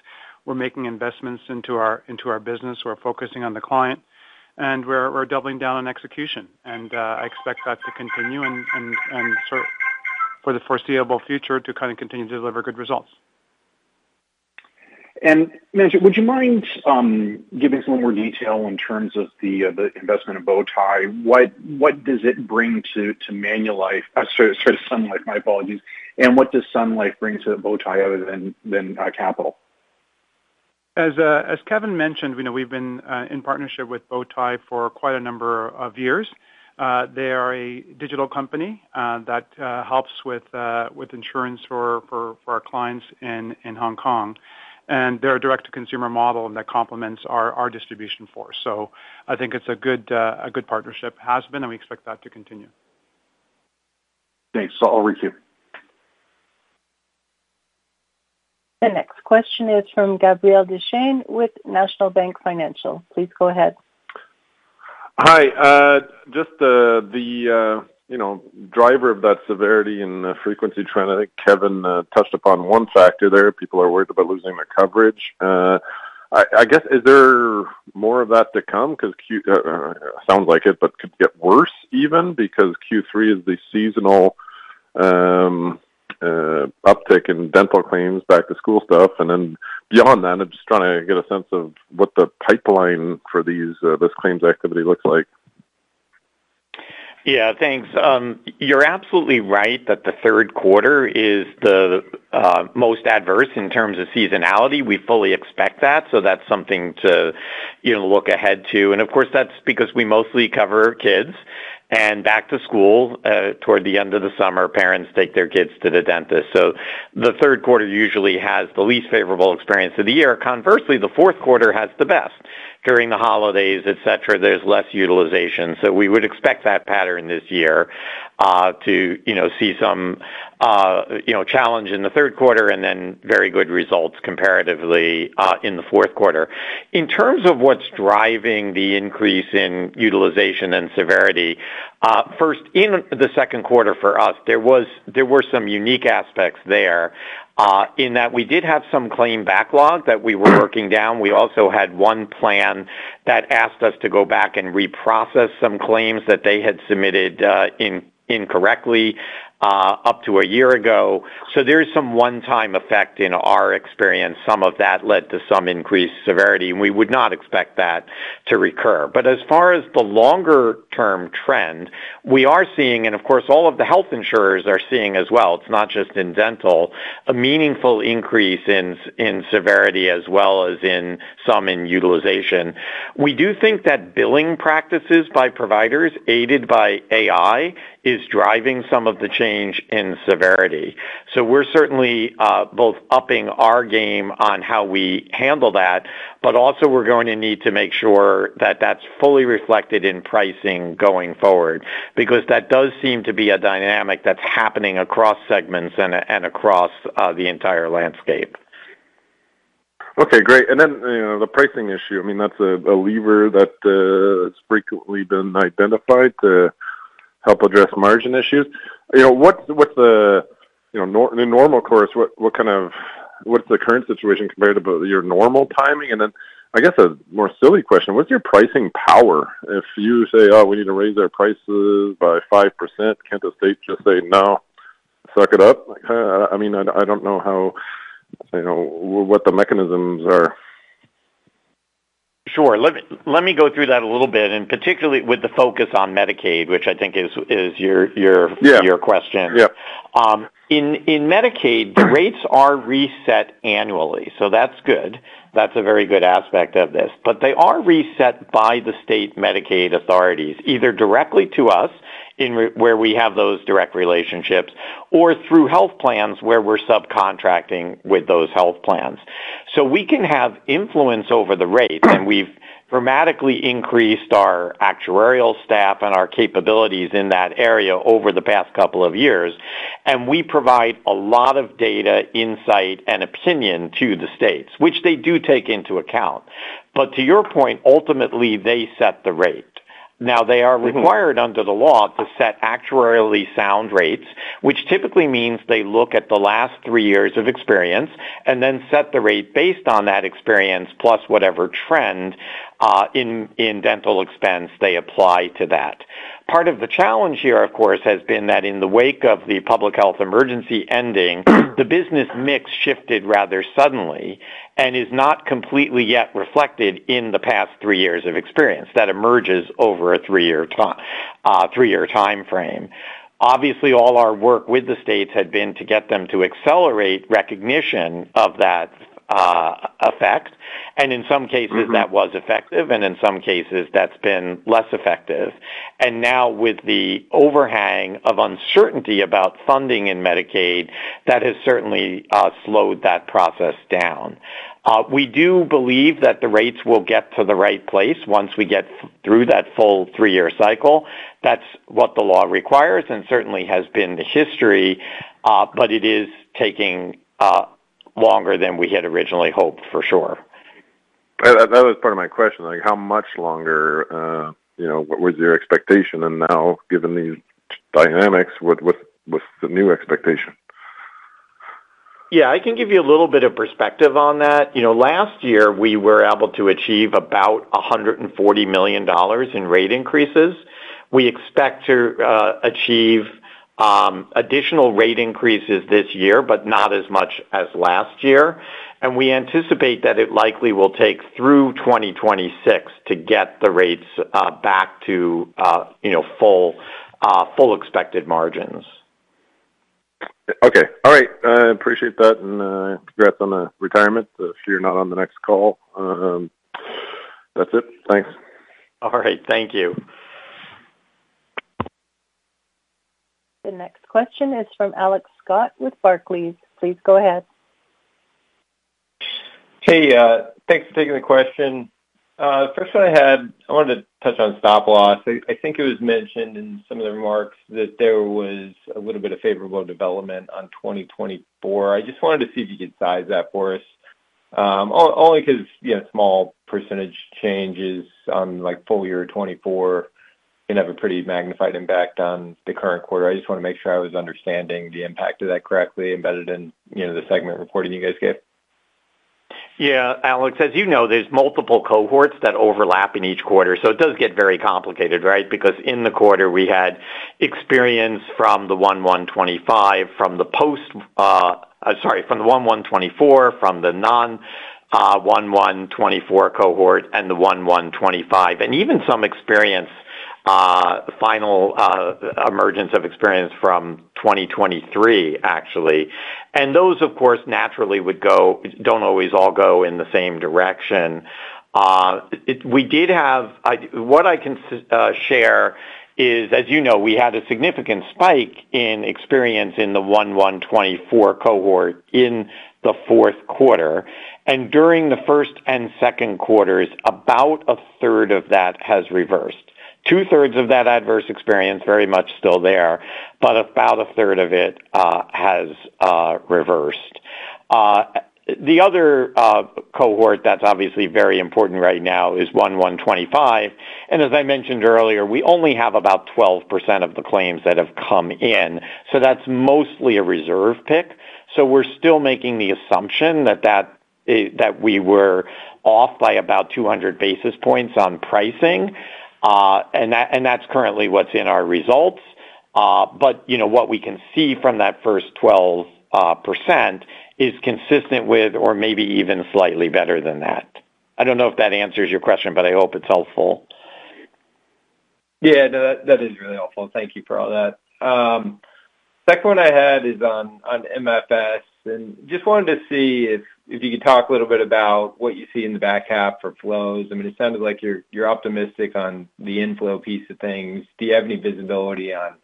we're making investments into our business, we're focusing on the client, and we're doubling down on execution. I expect that to continue and for the foreseeable future to kind of continue to deliver good results. Manjit, would you mind giving some more detail in terms of the investment in Bowtie? What does it bring to Sun Life? What does Sun Life bring to Bowtie other than capital? As Kevin mentioned, we've been in partnership with Bowtie for quite a number of years. They are a digital company that helps with insurance for our clients in Hong Kong. They're a direct-to-consumer model that complements our distribution force. I think it's a good partnership, has been, and we expect that to continue. Thanks. I'll re-queue. The next question is from Gabriel Dechaine with National Bank Financial. Please go ahead. Hi. The driver of that severity and frequency, trying to think, Kevin touched upon one factor there. People are worried about losing their coverage. I guess, is there more of that to come? It sounds like it could get worse even because Q3 is the seasonal uptick in dental claims, back-to-school stuff. Beyond that, I'm just trying to get a sense of what the pipeline for this claims activity looks like. Yeah, thanks. You're absolutely right that the third quarter is the most adverse in terms of seasonality. We fully expect that. That's something to look ahead to. Of course, that's because we mostly cover kids and back to school toward the end of the summer. Parents take their kids to the dentist. The third quarter usually has the least favorable experience of the year. Conversely, the fourth quarter has the best. During the holidays, there's less utilization. We would expect that pattern this year to see some challenge in the third quarter and then very good results comparatively in the fourth quarter. In terms of what's driving the increase in utilization and severity, first, in the second quarter for us, there were some unique aspects there in that we did have some claim backlog that we were working down. We also had one plan that asked us to go back and reprocess some claims that they had submitted incorrectly up to a year ago. There's some one-time effect in our experience. Some of that led to some increased severity, and we would not expect that to recur. As far as the longer-term trend, we are seeing, and all of the health insurers are seeing as well, it's not just in dental, a meaningful increase in severity as well as in some in utilization. We do think that billing practices by providers aided by AI is driving some of the change in severity. We're certainly both upping our game on how we handle that, but also we're going to need to make sure that that's fully reflected in pricing going forward because that does seem to be a dynamic that's happening across segments and across the entire landscape. Okay, great. The pricing issue, I mean, that's a lever that's frequently been identified to help address margin issues. What's the normal course? What's the current situation compared to your normal timing? I guess a more silly question, what's your pricing power? If you say, oh, we need to raise our prices by 5%, can't the state just say, no, suck it up? I mean, I don't know how, you know, what the mechanisms are. Sure. Let me go through that a little bit, particularly with the focus on Medicaid, which I think is your question. Yeah. In Medicaid, rates are reset annually. That's good. That's a very good aspect of this. They are reset by the state Medicaid authorities, either directly to us where we have those direct relationships or through health plans where we're subcontracting with those health plans. We can have influence over the rate, and we've dramatically increased our actuarial staff and our capabilities in that area over the past couple of years. We provide a lot of data, insight, and opinion to the states, which they do take into account. To your point, ultimately, they set the rate. They are required under the law to set actuarially sound rates, which typically means they look at the last three years of experience and then set the rate based on that experience plus whatever trend in dental expense they apply to that. Part of the challenge here, of course, has been that in the wake of the public health emergency ending, the business mix shifted rather suddenly and is not completely yet reflected in the past three years of experience that emerges over a three-year timeframe. Obviously, all our work with the states had been to get them to accelerate recognition of that effect. In some cases, that was effective, and in some cases, that's been less effective. Now, with the overhang of uncertainty about funding in Medicaid, that has certainly slowed that process down. We do believe that the rates will get to the right place once we get through that full three-year cycle. That's what the law requires and certainly has been the history, but it is taking longer than we had originally hoped, for sure. That was part of my question. How much longer, you know, was your expectation? Now, given the dynamics, what's the new expectation? Yeah, I can give you a little bit of perspective on that. Last year, we were able to achieve about $140 million in rate increases. We expect to achieve additional rate increases this year, but not as much as last year. We anticipate that it likely will take through 2026 to get the rates back to, you know, full expected margins. Okay. All right. I appreciate that. Congrats on the retirement if you're not on the next call. That's it. Thanks. All right, thank you. The next question is from Alex Scott with Barclays. Please go ahead. Hey, thanks for taking the question. First, I wanted to touch on stop loss. I think it was mentioned in some of the remarks that there was a little bit of favorable development on 2024. I just wanted to see if you could size that for us. Only because, you know, small percent changes on like full year 2024 can have a pretty magnified impact on the current quarter. I just want to make sure I was understanding the impact of that correctly embedded in, you know, the segment reporting you guys gave. Yeah, Alex, as you know, there are multiple cohorts that overlap in each quarter. It does get very complicated, right? Because in the quarter, we had experience from the 1/1/25, from the post, sorry, from the 1/1/24, from the non 1/1/24 cohort, and the 1/1/25, and even some experience, final emergence of experience from 2023, actually. Those, of course, naturally would go, do not always all go in the same direction. We did have, what I can share is, as you know, we had a significant spike in experience in the 1/1/24 cohort in the fourth quarter. During the first and second quarters, about a third of that has reversed. 2/3 of that adverse experience is very much still there, but about a third of it has reversed. The other cohort that is obviously very important right now is 1/1/25. As I mentioned earlier, we only have about 12% of the claims that have come in. That is mostly a reserve pick. We are still making the assumption that we were off by about 200 basis points on pricing. That is currently what is in our results. What we can see from that first 12% is consistent with, or maybe even slightly better than that. I do not know if that answers your question, but I hope it is helpful. Yeah, no, that is really helpful. Thank you for all that. Second one I had is on MFS and just wanted to see if you could talk a little bit about what you see in the back half for flows. I mean, it sounded like you're optimistic on the inflow piece of things. Do you have any visibility on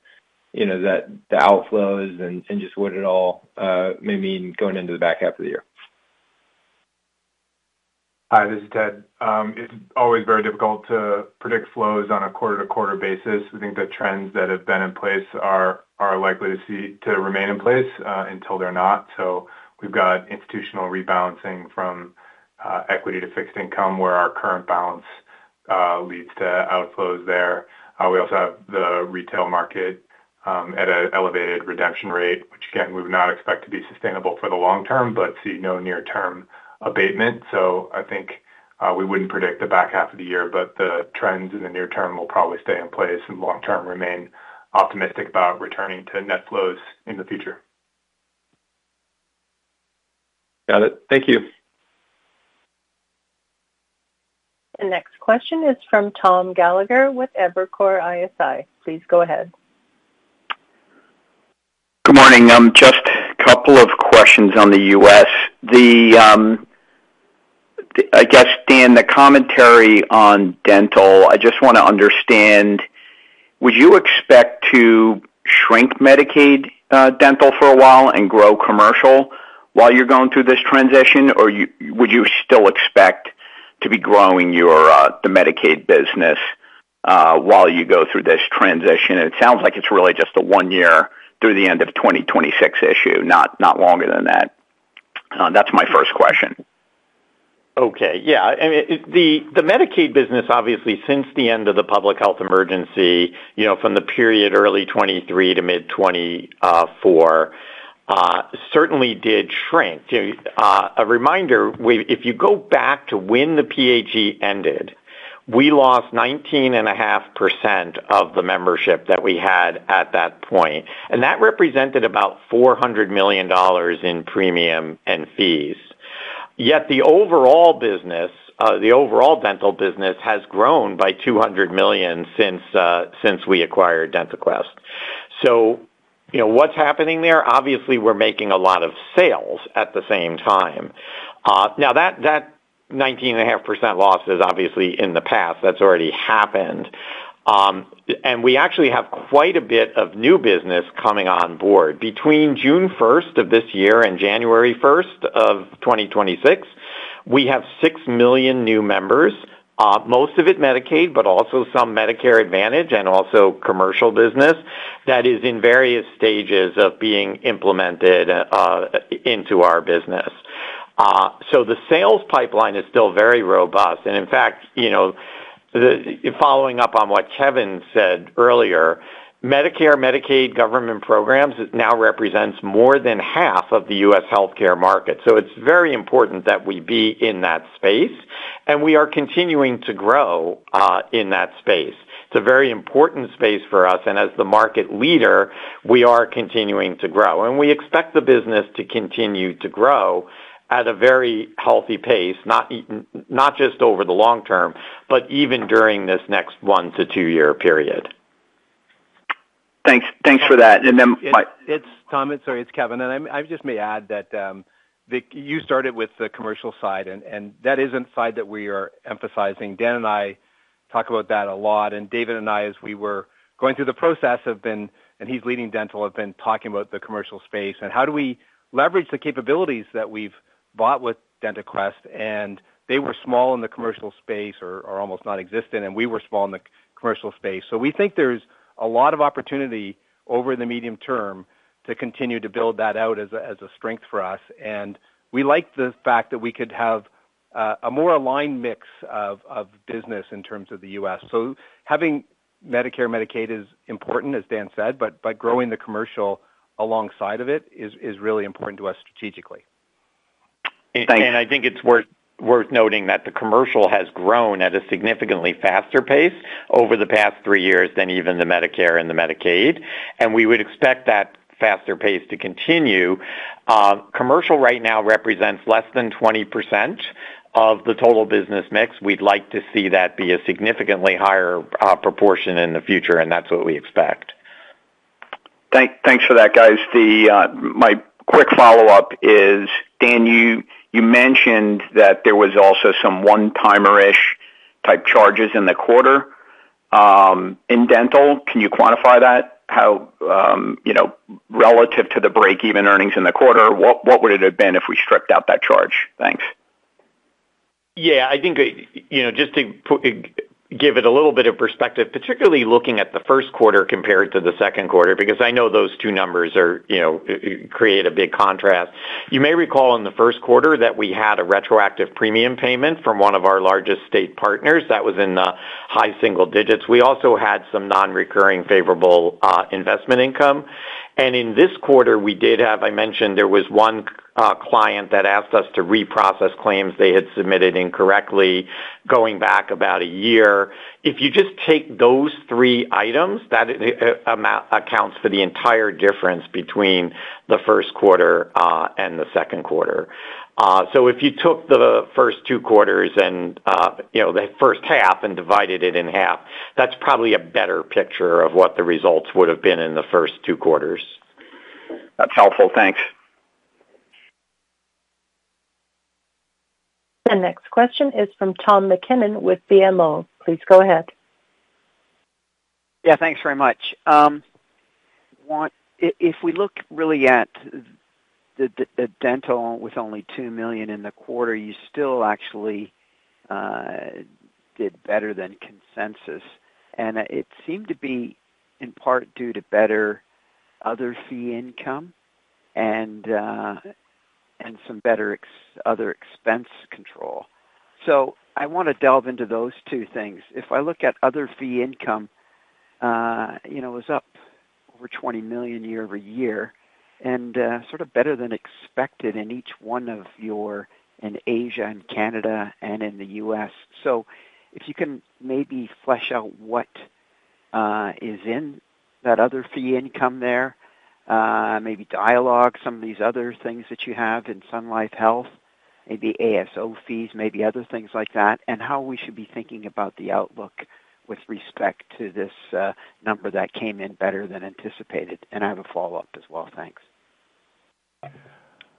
the outflows and just what it all may mean going into the back half of the year? Hi, this is Ted. It's always very difficult to predict flows on a quarter-to-quarter basis. We think that trends that have been in place are likely to remain in place until they're not. We have institutional rebalancing from equity to fixed income where our current balance leads to outflows there. We also have the retail market at an elevated redemption rate, which again, we would not expect to be sustainable for the long term, but see no near-term abatement. I think we wouldn't predict the back half of the year, but the trends in the near term will probably stay in place and long term remain optimistic about returning to net flows in the future. Got it. Thank you. The next question is from Tom Gallagher with Evercore ISI. Please go ahead. Good morning. I'm Jeff. If I pull up questions on the U.S., I guess, Dan, the commentary on dental, I just want to understand, would you expect to shrink Medicaid dental for a while and grow commercial while you're going through this transition, or would you still expect to be growing the Medicaid business while you go through this transition? It sounds like it's really just a one-year through the end of 2026 issue, not longer than that. That's my first question. Okay. The Medicaid business, obviously, since the end of the public health emergency, from the period early 2023 to mid 2024, certainly did shrink. A reminder, if you go back to when the PHE ended, we lost 19.5% of the membership that we had at that point. That represented about $400 million in premium and fees. Yet the overall business, the overall dental business has grown by $200 million since we acquired DentaQuest. What's happening there? Obviously, we're making a lot of sales at the same time. That 19.5% loss is obviously in the past. That's already happened. We actually have quite a bit of new business coming on board. Between June 1st, 2024 and January 1st, 2026, we have 6 million new members, most of it Medicaid, but also some Medicare Advantage and also commercial business that is in various stages of being implemented into our business. The sales pipeline is still very robust. In fact, following up on what Kevin said earlier, Medicare, Medicaid, government programs now represent more than half of the U.S. healthcare market. It is very important that we be in that space. We are continuing to grow in that space. It's a very important space for us. As the market leader, we are continuing to grow. We expect the business to continue to grow at a very healthy pace, not just over the long term, but even during this next one to two-year period. Thanks for that. Tom, it's Kevin. I just may add that you started with the commercial side, and that isn't the side that we are emphasizing. Dan and I talk about that a lot. David and I, as we were going through the process, have been, and he's leading dental, have been talking about the commercial space and how do we leverage the capabilities that we've bought with DentaQuest. They were small in the commercial space or almost nonexistent, and we were small in the commercial space. We think there's a lot of opportunity over the medium term to continue to build that out as a strength for us. We like the fact that we could have a more aligned mix of business in terms of the U.S. Having Medicare and Medicaid is important, as Dan said, but growing the commercial alongside of it is really important to us strategically. Thanks. It is worth noting that the commercial has grown at a significantly faster pace over the past three years than even the Medicare and the Medicaid. We would expect that faster pace to continue. Commercial right now represents less than 20% of the total business mix. We'd like to see that be a significantly higher proportion in the future, and that's what we expect. Thanks for that, guys. My quick follow-up is, Dan, you mentioned that there were also some one-timer-ish type charges in the quarter in dental. Can you quantify that? How, you know, relative to the break-even earnings in the quarter, what would it have been if we stripped out that charge? Thanks. Yeah, I think, just to give it a little bit of perspective, particularly looking at the first quarter compared to the second quarter, because I know those two numbers create a big contrast. You may recall in the first quarter that we had a retroactive premium payment from one of our largest state partners that was in the high single digits. We also had some non-recurring favorable investment income. In this quarter, I mentioned there was one client that asked us to reprocess claims they had submitted incorrectly, going back about a year. If you just take those three items, that amount accounts for the entire difference between the first quarter and the second quarter. If you took the first two quarters and the first half and divided it in half, that's probably a better picture of what the results would have been in the first two quarters. That's helpful. Thanks. The next question is from Tom MacKinnon with BMO. Please go ahead. Yeah, thanks very much. If we look really at the dental with only $2 million in the quarter, you still actually did better than consensus. It seemed to be in part due to better other fee income and some better other expense control. I want to delve into those two things. If I look at other fee income, you know, it was up over $20 million year-over-year and sort of better than expected in each one of your, in Asia and Canada and in the U.S. If you can maybe flesh out what is in that other fee income there, maybe dialogue some of these other things that you have in Sun Life Health, maybe ASO fees, maybe other things like that, and how we should be thinking about the outlook with respect to this number that came in better than anticipated. I have a follow-up as well. Thanks.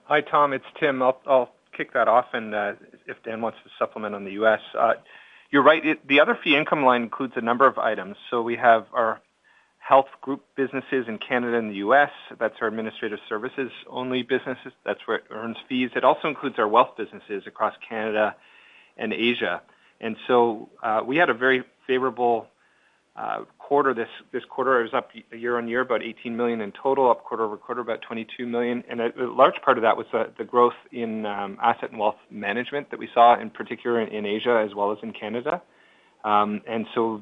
Hi, Tom. It's Tim. I'll kick that off. If Dan wants to supplement on the U.S., you're right. The other fee income line includes a number of items. We have our health group businesses in Canada and the U.S. That's our administrative services-only businesses. That's where it earns fees. It also includes our wealth businesses across Canada and Asia. We had a very favorable quarter. This quarter, it was up year on year, about $18 million in total, up quarter over quarter, about $22 million. A large part of that was the growth in asset and wealth management that we saw, in particular in Asia, as well as in Canada.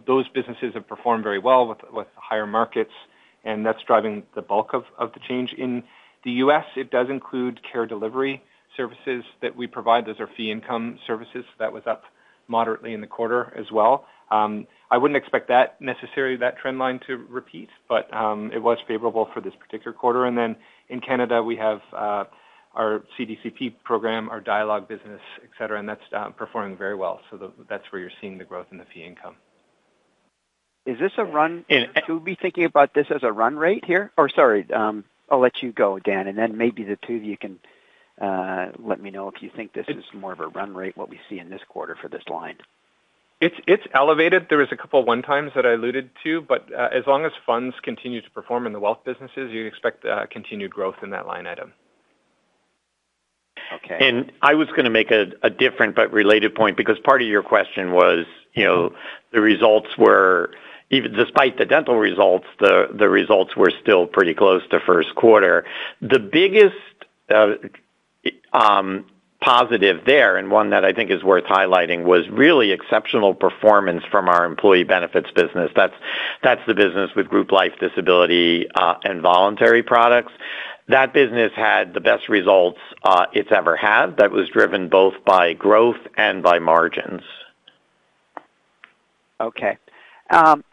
Those businesses have performed very well with higher markets. That's driving the bulk of the change. In the U.S., it does include care delivery services that we provide. Those are fee income services that was up moderately in the quarter as well. I wouldn't expect that necessarily, that trend line to repeat, but it was favorable for this particular quarter. In Canada, we have our CDCP program, our Dialogue business, etc., and that's performing very well. That's where you're seeing the growth in the fee income. Is this a run? Who would be thinking about this as a run rate here? I'll let you go, Dan. Maybe the two of you can let me know if you think this is more of a run rate, what we see in this quarter for this line. It's elevated. There were a couple of one-times that I alluded to, but as long as funds continue to perform in the wealth businesses, you expect continued growth in that line item. Okay. I was going to make a different but related point because part of your question was, you know, the results were, even despite the dental results, the results were still pretty close to first quarter. The biggest positive there, and one that I think is worth highlighting, was really exceptional performance from our employee benefits business. That's the business with group life disability and voluntary products. That business had the best results it's ever had. That was driven both by growth and by margins. Okay. If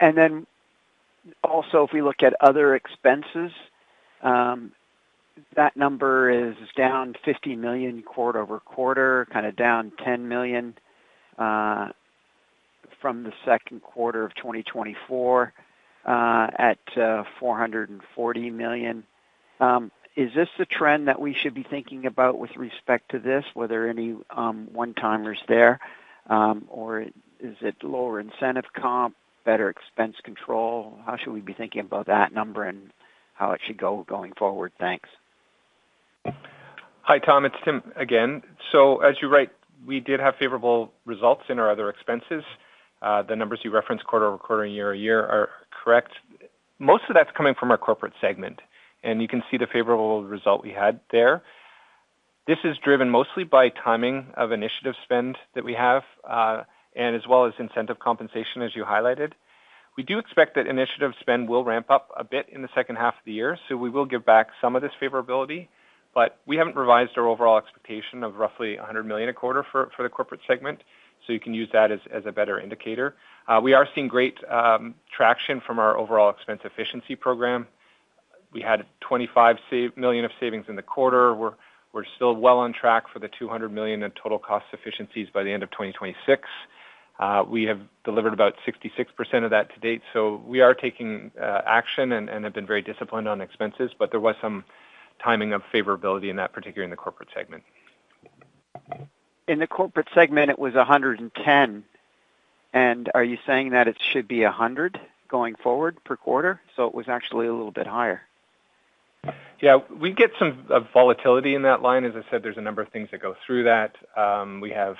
we look at other expenses, that number is down $50 million quarter-over-quarter, kind of down $10 million from the second quarter of 2024 at $440 million. Is this the trend that we should be thinking about with respect to this, whether any one-timers there, or is it lower incentive comp, better expense control? How should we be thinking about that number and how it should go going forward? Thanks. Hi, Tom. It's Tim again. As you write, we did have favorable results in our other expenses. The numbers you referenced, quarter-over-quarter, year-over -ear, are correct. Most of that's coming from our corporate segment, and you can see the favorable result we had there. This is driven mostly by timing of initiative spend that we have, as well as incentive compensation, as you highlighted. We do expect that initiative spend will ramp up a bit in the second half of the year. We will give back some of this favorability, but we haven't revised our overall expectation of roughly $100 million a quarter for the corporate segment. You can use that as a better indicator. We are seeing great traction from our overall expense efficiency program. We had $25 million of savings in the quarter. We're still well on track for the $200 million in total cost efficiencies by the end of 2026. We have delivered about 66% of that to date. We are taking action and have been very disciplined on expenses, but there was some timing of favorability in that, particularly in the corporate segment. In the corporate segment, it was $110 million. Are you saying that it should be $100 million going forward per quarter? It was actually a little bit higher. Yeah, we get some volatility in that line. As I said, there's a number of things that go through that. We have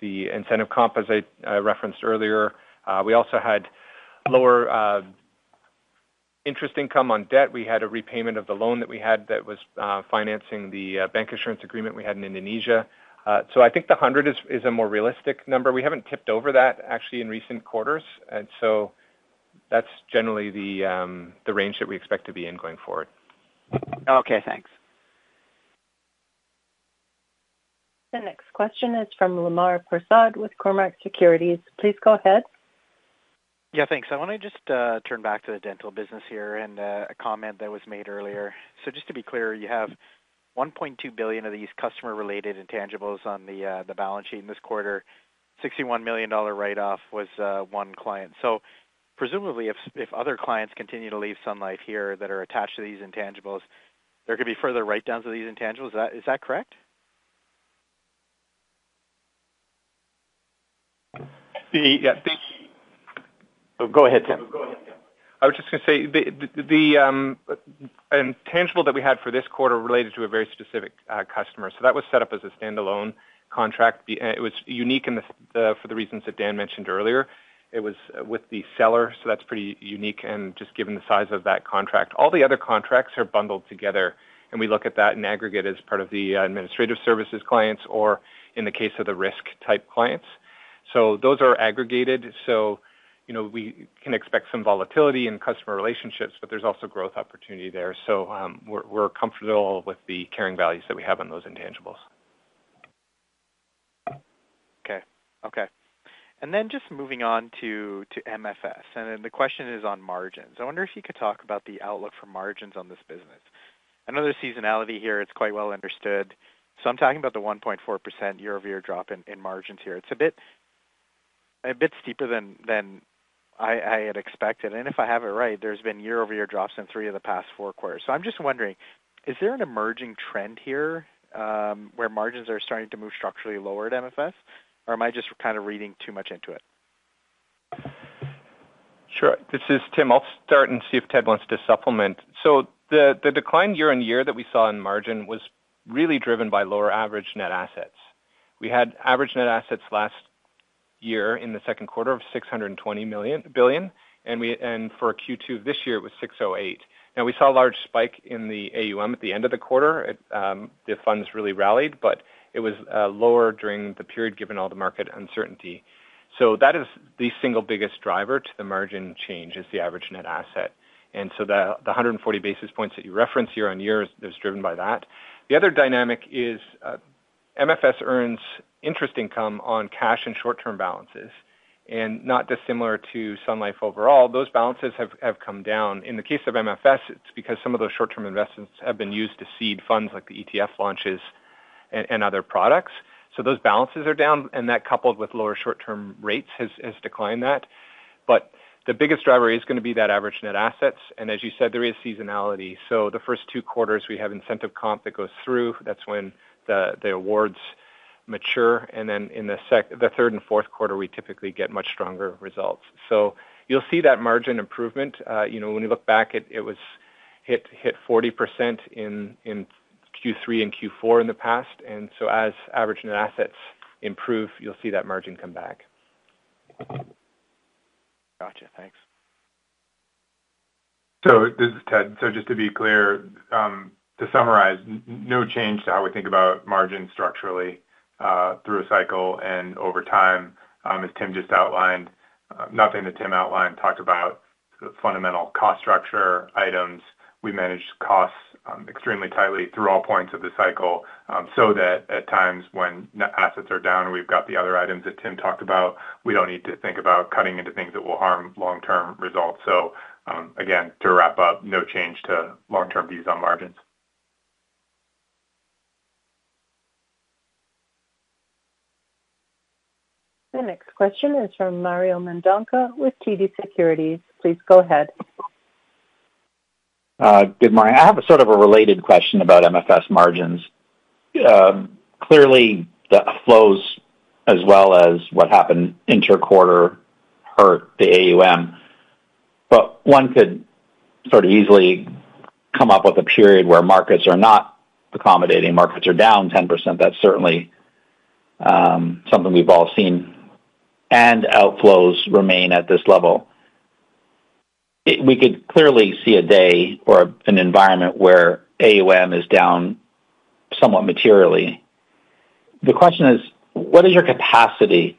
the incentive comp, as I referenced earlier. We also had lower interest income on debt. We had a repayment of the loan that we had that was financing the bancassurance agreement we had in Indonesia. I think the $100 million is a more realistic number. We haven't tipped over that, actually, in recent quarters. That's generally the range that we expect to be in going forward. Okay, thanks. The next question is from Lemar Persaud with Cormark Securities. Please go ahead. Thank you. I want to just turn back to the dental business here and a comment that was made earlier. Just to be clear, you have $1.2 billion of these customer-related intangibles on the balance sheet in this quarter. The $61 million write-off was one client. Presumably, if other clients continue to leave Sun Life here that are attached to these intangibles, there could be further write-downs of these intangibles. Is that correct? Go ahead, Tim. I was just going to say the intangible that we had for this quarter related to a very specific customer. That was set up as a standalone contract. It was unique for the reasons that Dan mentioned earlier. It was with the seller. That's pretty unique. Given the size of that contract, all the other contracts are bundled together. We look at that in aggregate as part of the administrative services clients or in the case of the risk-type clients. Those are aggregated. We can expect some volatility in customer relationships, but there's also growth opportunity there. We're comfortable with the carrying values that we have on those intangibles. Okay. And then just moving on to MFS. The question is on margins. I wonder if you could talk about the outlook for margins on this business. I know there's seasonality here. It's quite well understood. I'm talking about the 1.4% year-over-year drop in margins here. It's a bit steeper than I had expected. If I have it right, there's been year-over-year drops in three of the past four quarters. I'm just wondering, is there an emerging trend here where margins are starting to move structurally lower at MFS, or am I just kind of reading too much into it? Sure. This is Tim. I'll start and see if Ted wants to supplement. The decline year-on-year that we saw in margin was really driven by lower average net assets. We had average net assets last year in the second quarter of $620 million, and for Q2 of this year, it was $608 million. We saw a large spike in the AUM at the end of the quarter. The funds really rallied, but it was lower during the period given all the market uncertainty. That is the single biggest driver to the margin change, the average net asset. The 140 basis points that you referenced year-on-year is driven by that. The other dynamic is MFS earns interest income on cash and short-term balances. Not dissimilar to Sun Life overall, those balances have come down. In the case of MFS, it's because some of those short-term investments have been used to seed funds like the ETF launches and other products. Those balances are down, and that coupled with lower short-term rates has declined that. The biggest driver is going to be that average net assets. As you said, there is seasonality. The first two quarters, we have incentive comp that goes through. That's when the awards mature. In the third and fourth quarter, we typically get much stronger results. You'll see that margin improvement. When we look back, it was hit 40% in Q3 and Q4 in the past. As average net assets improve, you'll see that margin come back. Gotcha. Thanks. Just to be clear, to summarize, no change to how we think about margins structurally through a cycle and over time, as Tim just outlined. Nothing that Tim outlined talked about fundamental cost structure items. We manage costs extremely tightly through all points of the cycle so that at times when net assets are down, we've got the other items that Tim talked about. We don't need to think about cutting into things that will harm long-term results. Again, to wrap up, no change to long-term views on margins. The next question is from Mario Mendonca with TD Securities. Please go ahead. Good morning. I have a sort of a related question about MFS margins. Clearly, the flows as well as what happened interquarter or the AUM. One could sort of easily come up with a period where markets are not accommodating, markets are down 10%. That's certainly something we've all seen. Outflows remain. At this level, we could clearly see a day or an environment where AUM is down somewhat materially. The question is, what is your capacity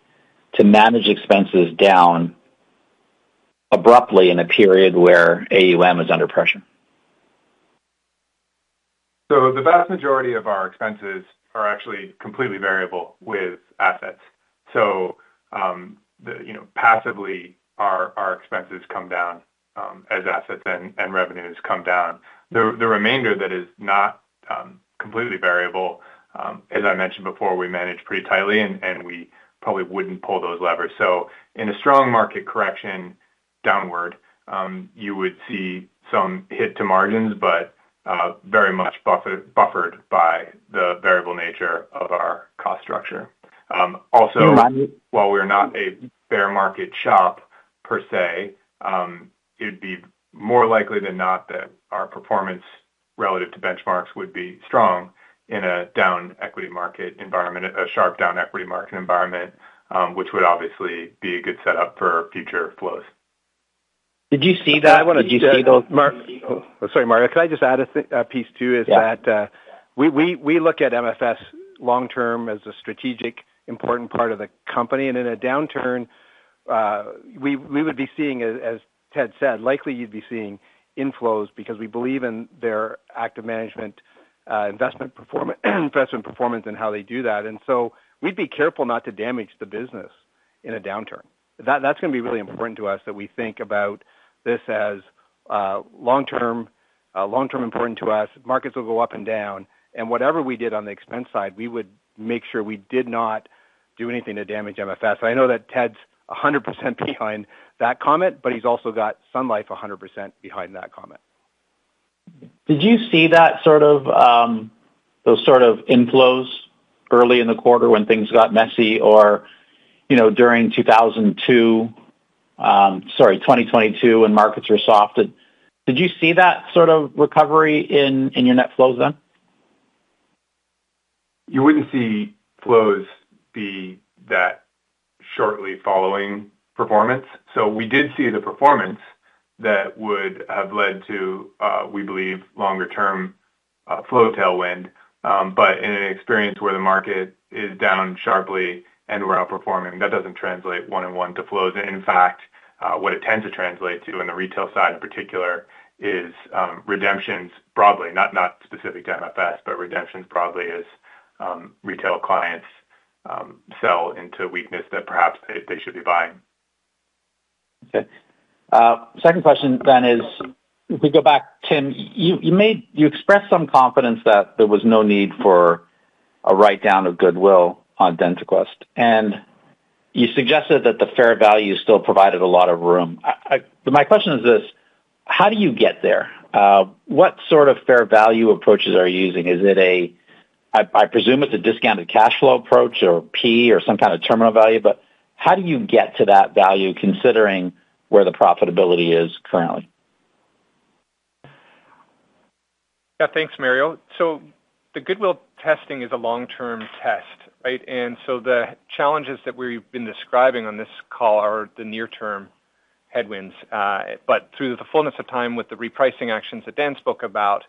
to manage expenses down abruptly in a period where AUM is under pressure? The vast majority of our expenses are actually completely variable with assets. Passively, our expenses come down as assets and revenues come down. The remainder that is not completely variable, as I mentioned before, we manage pretty tightly, and we probably wouldn't pull those levers. In a strong market correction downward, you would see some hit to margins, but very much buffered by the variable nature of our cost structure. Also, while we're not a bear market shop per se, it'd be more likely than not that our performance relative to benchmarks would be strong in a down equity market environment, a sharp down equity market environment, which would obviously be a good setup for future flows. Did you see that? Do you see those? Sorry, Mario. Can I just add a piece too? Yeah. We look at MFS long term as a strategic important part of the company, and in a downturn, as Ted said, likely you'd be seeing inflows because we believe in their active management investment performance and how they do that. We'd be careful not to damage the business in a downturn. It's really important to us that we think about this as long term, long term important to us. Markets will go up and down, and whatever we did on the expense side, we would make sure we did not do anything to damage MFS. I know that Ted's 100% behind that comment, but he's also got Sun Life 100% behind that comment. Did you see those sort of inflows early in the quarter when things got messy, or during 2022 when markets were soft? Did you see that sort of recovery in your net flows then? You wouldn't see flows be that shortly following performance. We did see the performance that would have led to, we believe, longer term flow tailwind. In an experience where the market is down sharply and we're outperforming, that doesn't translate one-on-one to flows. In fact, what it tends to translate to in the retail side in particular is redemptions broadly, not specific to MFS, but redemptions broadly as retail clients sell into weakness that perhaps they should be buying. Second question then is, if we go back, Tim, you expressed some confidence that there was no need for a write down of goodwill on DentaQuest, and you suggested that the fair value still provided a lot of room. My question is this: how do you get there? What sort of fair value approaches are you using? Is it a, I presume it's a discounted cash flow approach or P/E or some kind of terminal value, but how do you get to that value considering where the profitability is currently? Yeah, thanks, Mario. The goodwill testing is a long-term test, right? The challenges that we've been describing on this call are the near-term headwinds. Through the fullness of time with the repricing actions that Dan spoke about,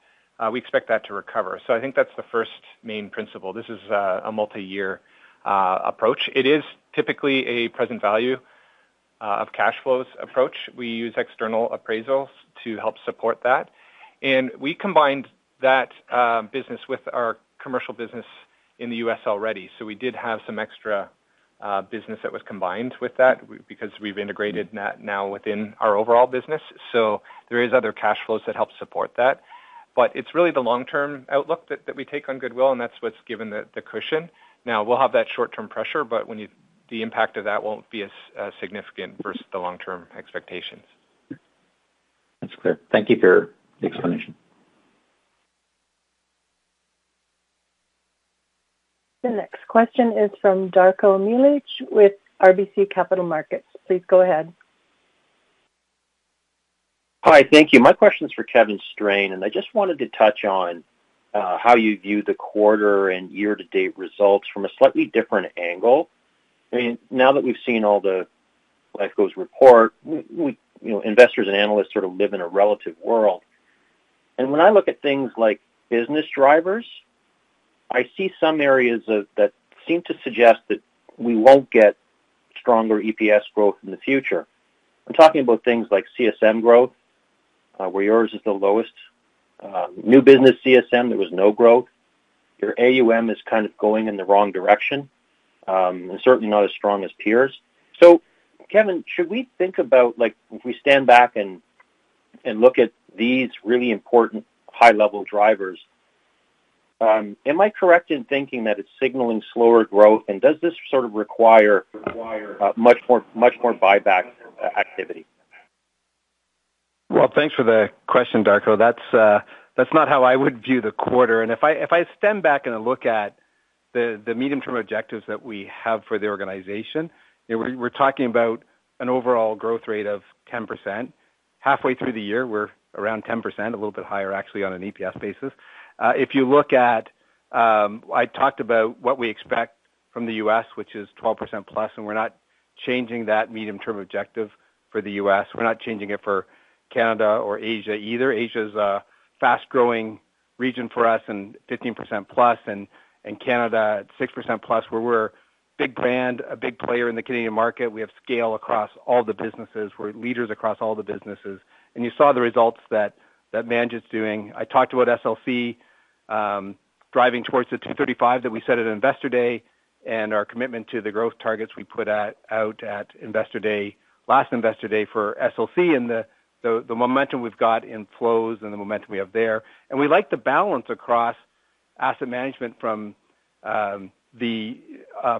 we expect that to recover. I think that's the first main principle. This is a multi-year approach. It is typically a present value of cash flows approach. We use external appraisals to help support that. We combined that business with our commercial business in the U.S. already. We did have some extra business that was combined with that because we've integrated that now within our overall business. There are other cash flows that help support that. It's really the long-term outlook that we take on goodwill, and that's what's given the cushion. We'll have that short-term pressure, but the impact of that won't be as significant versus the long-term expectations. That's clear. Thank you for your explanation. The next question is from Darko Mihelic with RBC Capital Markets. Please go ahead. Hi, thank you. My question is for Kevin Strain, and I just wanted to touch on how you view the quarter and year-to-date results from a slightly different angle. Now that we've seen all the Lifeco's report, we, you know, investors and analysts sort of live in a relative world. When I look at things like business drivers, I see some areas that seem to suggest that we won't get stronger EPS growth in the future. I'm talking about things like CSM growth, where yours is the lowest. New business CSM, there was no growth. Your AUM is kind of going in the wrong direction, and certainly not as strong as peers. Kevin, should we think about, like, if we stand back and look at these really important high-level drivers, am I correct in thinking that it's signaling slower growth, and does this sort of require much more buyback activity? Thanks for the question, Darko. That's not how I would view the quarter. If I stand back and look at the medium-term objectives that we have for the organization, we're talking about an overall growth rate of 10%. Halfway through the year, we're around 10%, a little bit higher, actually, on an EPS basis. If you look at, I talked about what we expect from the U.S., which is 12%+, and we're not changing that medium-term objective for the U.S. We're not changing it for Canada or Asia either. Asia is a fast-growing region for us, and 15%+, and Canada at 6%+, where we're a big brand, a big player in the Canadian market. We have scale across all the businesses. We're leaders across all the businesses. You saw the results that Manjit is doing. I talked about SLC driving towards the 235 that we set at Investor Day and our commitment to the growth targets we put out at Investor Day, last Investor Day for SLC and the momentum we've got in flows and the momentum we have there. We like the balance across asset management from the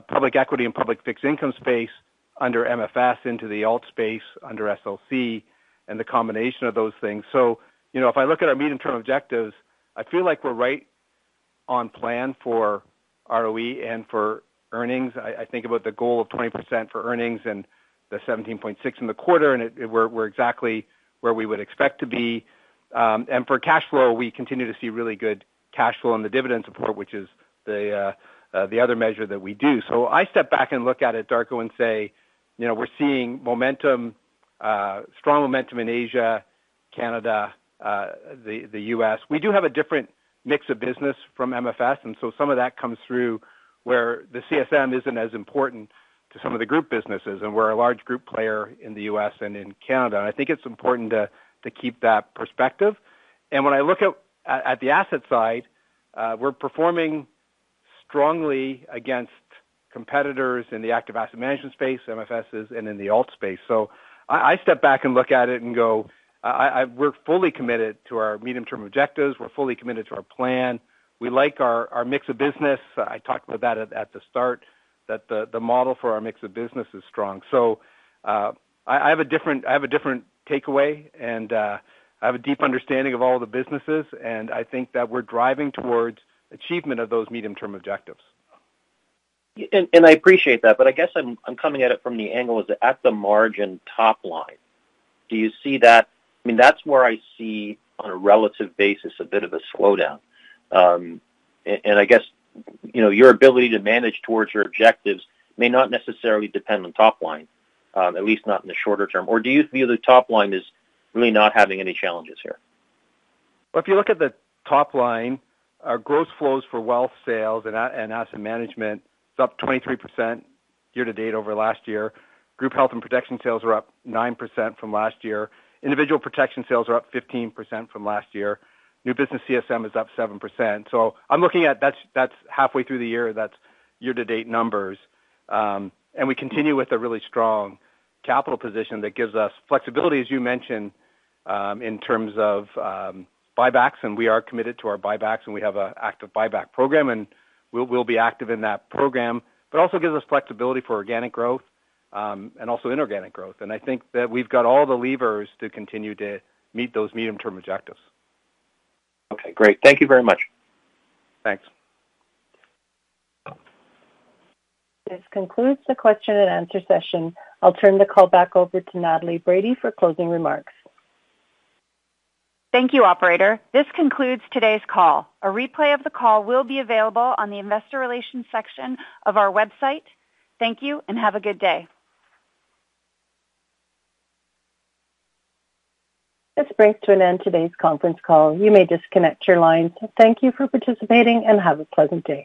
public equity and public fixed income space under MFS into the alt space under SLC and the combination of those things. If I look at our medium-term objectives, I feel like we're right on plan for ROE and for earnings. I think about the goal of 20% for earnings and the 17.6% in the quarter, and we're exactly where we would expect to be. For cash flow, we continue to see really good cash flow in the dividends report, which is the other measure that we do. I step back and look at it, Darko, and say, we're seeing momentum, strong momentum in Asia, Canada, the U.S. We do have a different mix of business from MFS and some of that comes through where the CSM isn't as important to some of the group businesses, and we're a large group player in the U.S. and in Canada. I think it's important to keep that perspective. When I look at the asset side, we're performing strongly against competitors in the active asset management space, MFS and in the alt space. I step back and look at it and go, we're fully committed to our medium-term objectives. We're fully committed to our plan. We like our mix of business. I talked about that at the start, that the model for our mix of business is strong. I have a different takeaway, and I have a deep understanding of all the businesses, and I think that we're driving towards achievement of those medium-term objectives. I appreciate that, but I guess I'm coming at it from the angle at the margin top line. Do you see that? I mean, that's where I see on a relative basis a bit of a slowdown. I guess your ability to manage towards your objectives may not necessarily depend on top line, at least not in the shorter term. Do you feel the top line is really not having any challenges here? If you look at the top line, our gross flows for wealth sales and asset management is up 23% year-to-date over last year. Group health and protection sales are up 9% from last year. Individual protection sales are up 15% from last year. New business CSM is up 7%. I'm looking at that's halfway through the year, that's year-to-date numbers. We continue with a really strong capital position that gives us flexibility, as you mentioned, in terms of buybacks. We are committed to our buybacks, and we have an active buyback program, and we'll be active in that program. It also gives us flexibility for organic growth and also inorganic growth. I think that we've got all the levers to continue to meet those medium-term objectives. Okay, great. Thank you very much. Thanks. This concludes the question-and-answer session. I'll turn the call back over to Natalie Brady for closing remarks. Thank you, operator. This concludes today's call. A replay of the call will be available on the investor relations section of our website. Thank you and have a good day. Let's bring to an end today's conference call. You may disconnect your line. Thank you for participating and have a pleasant day.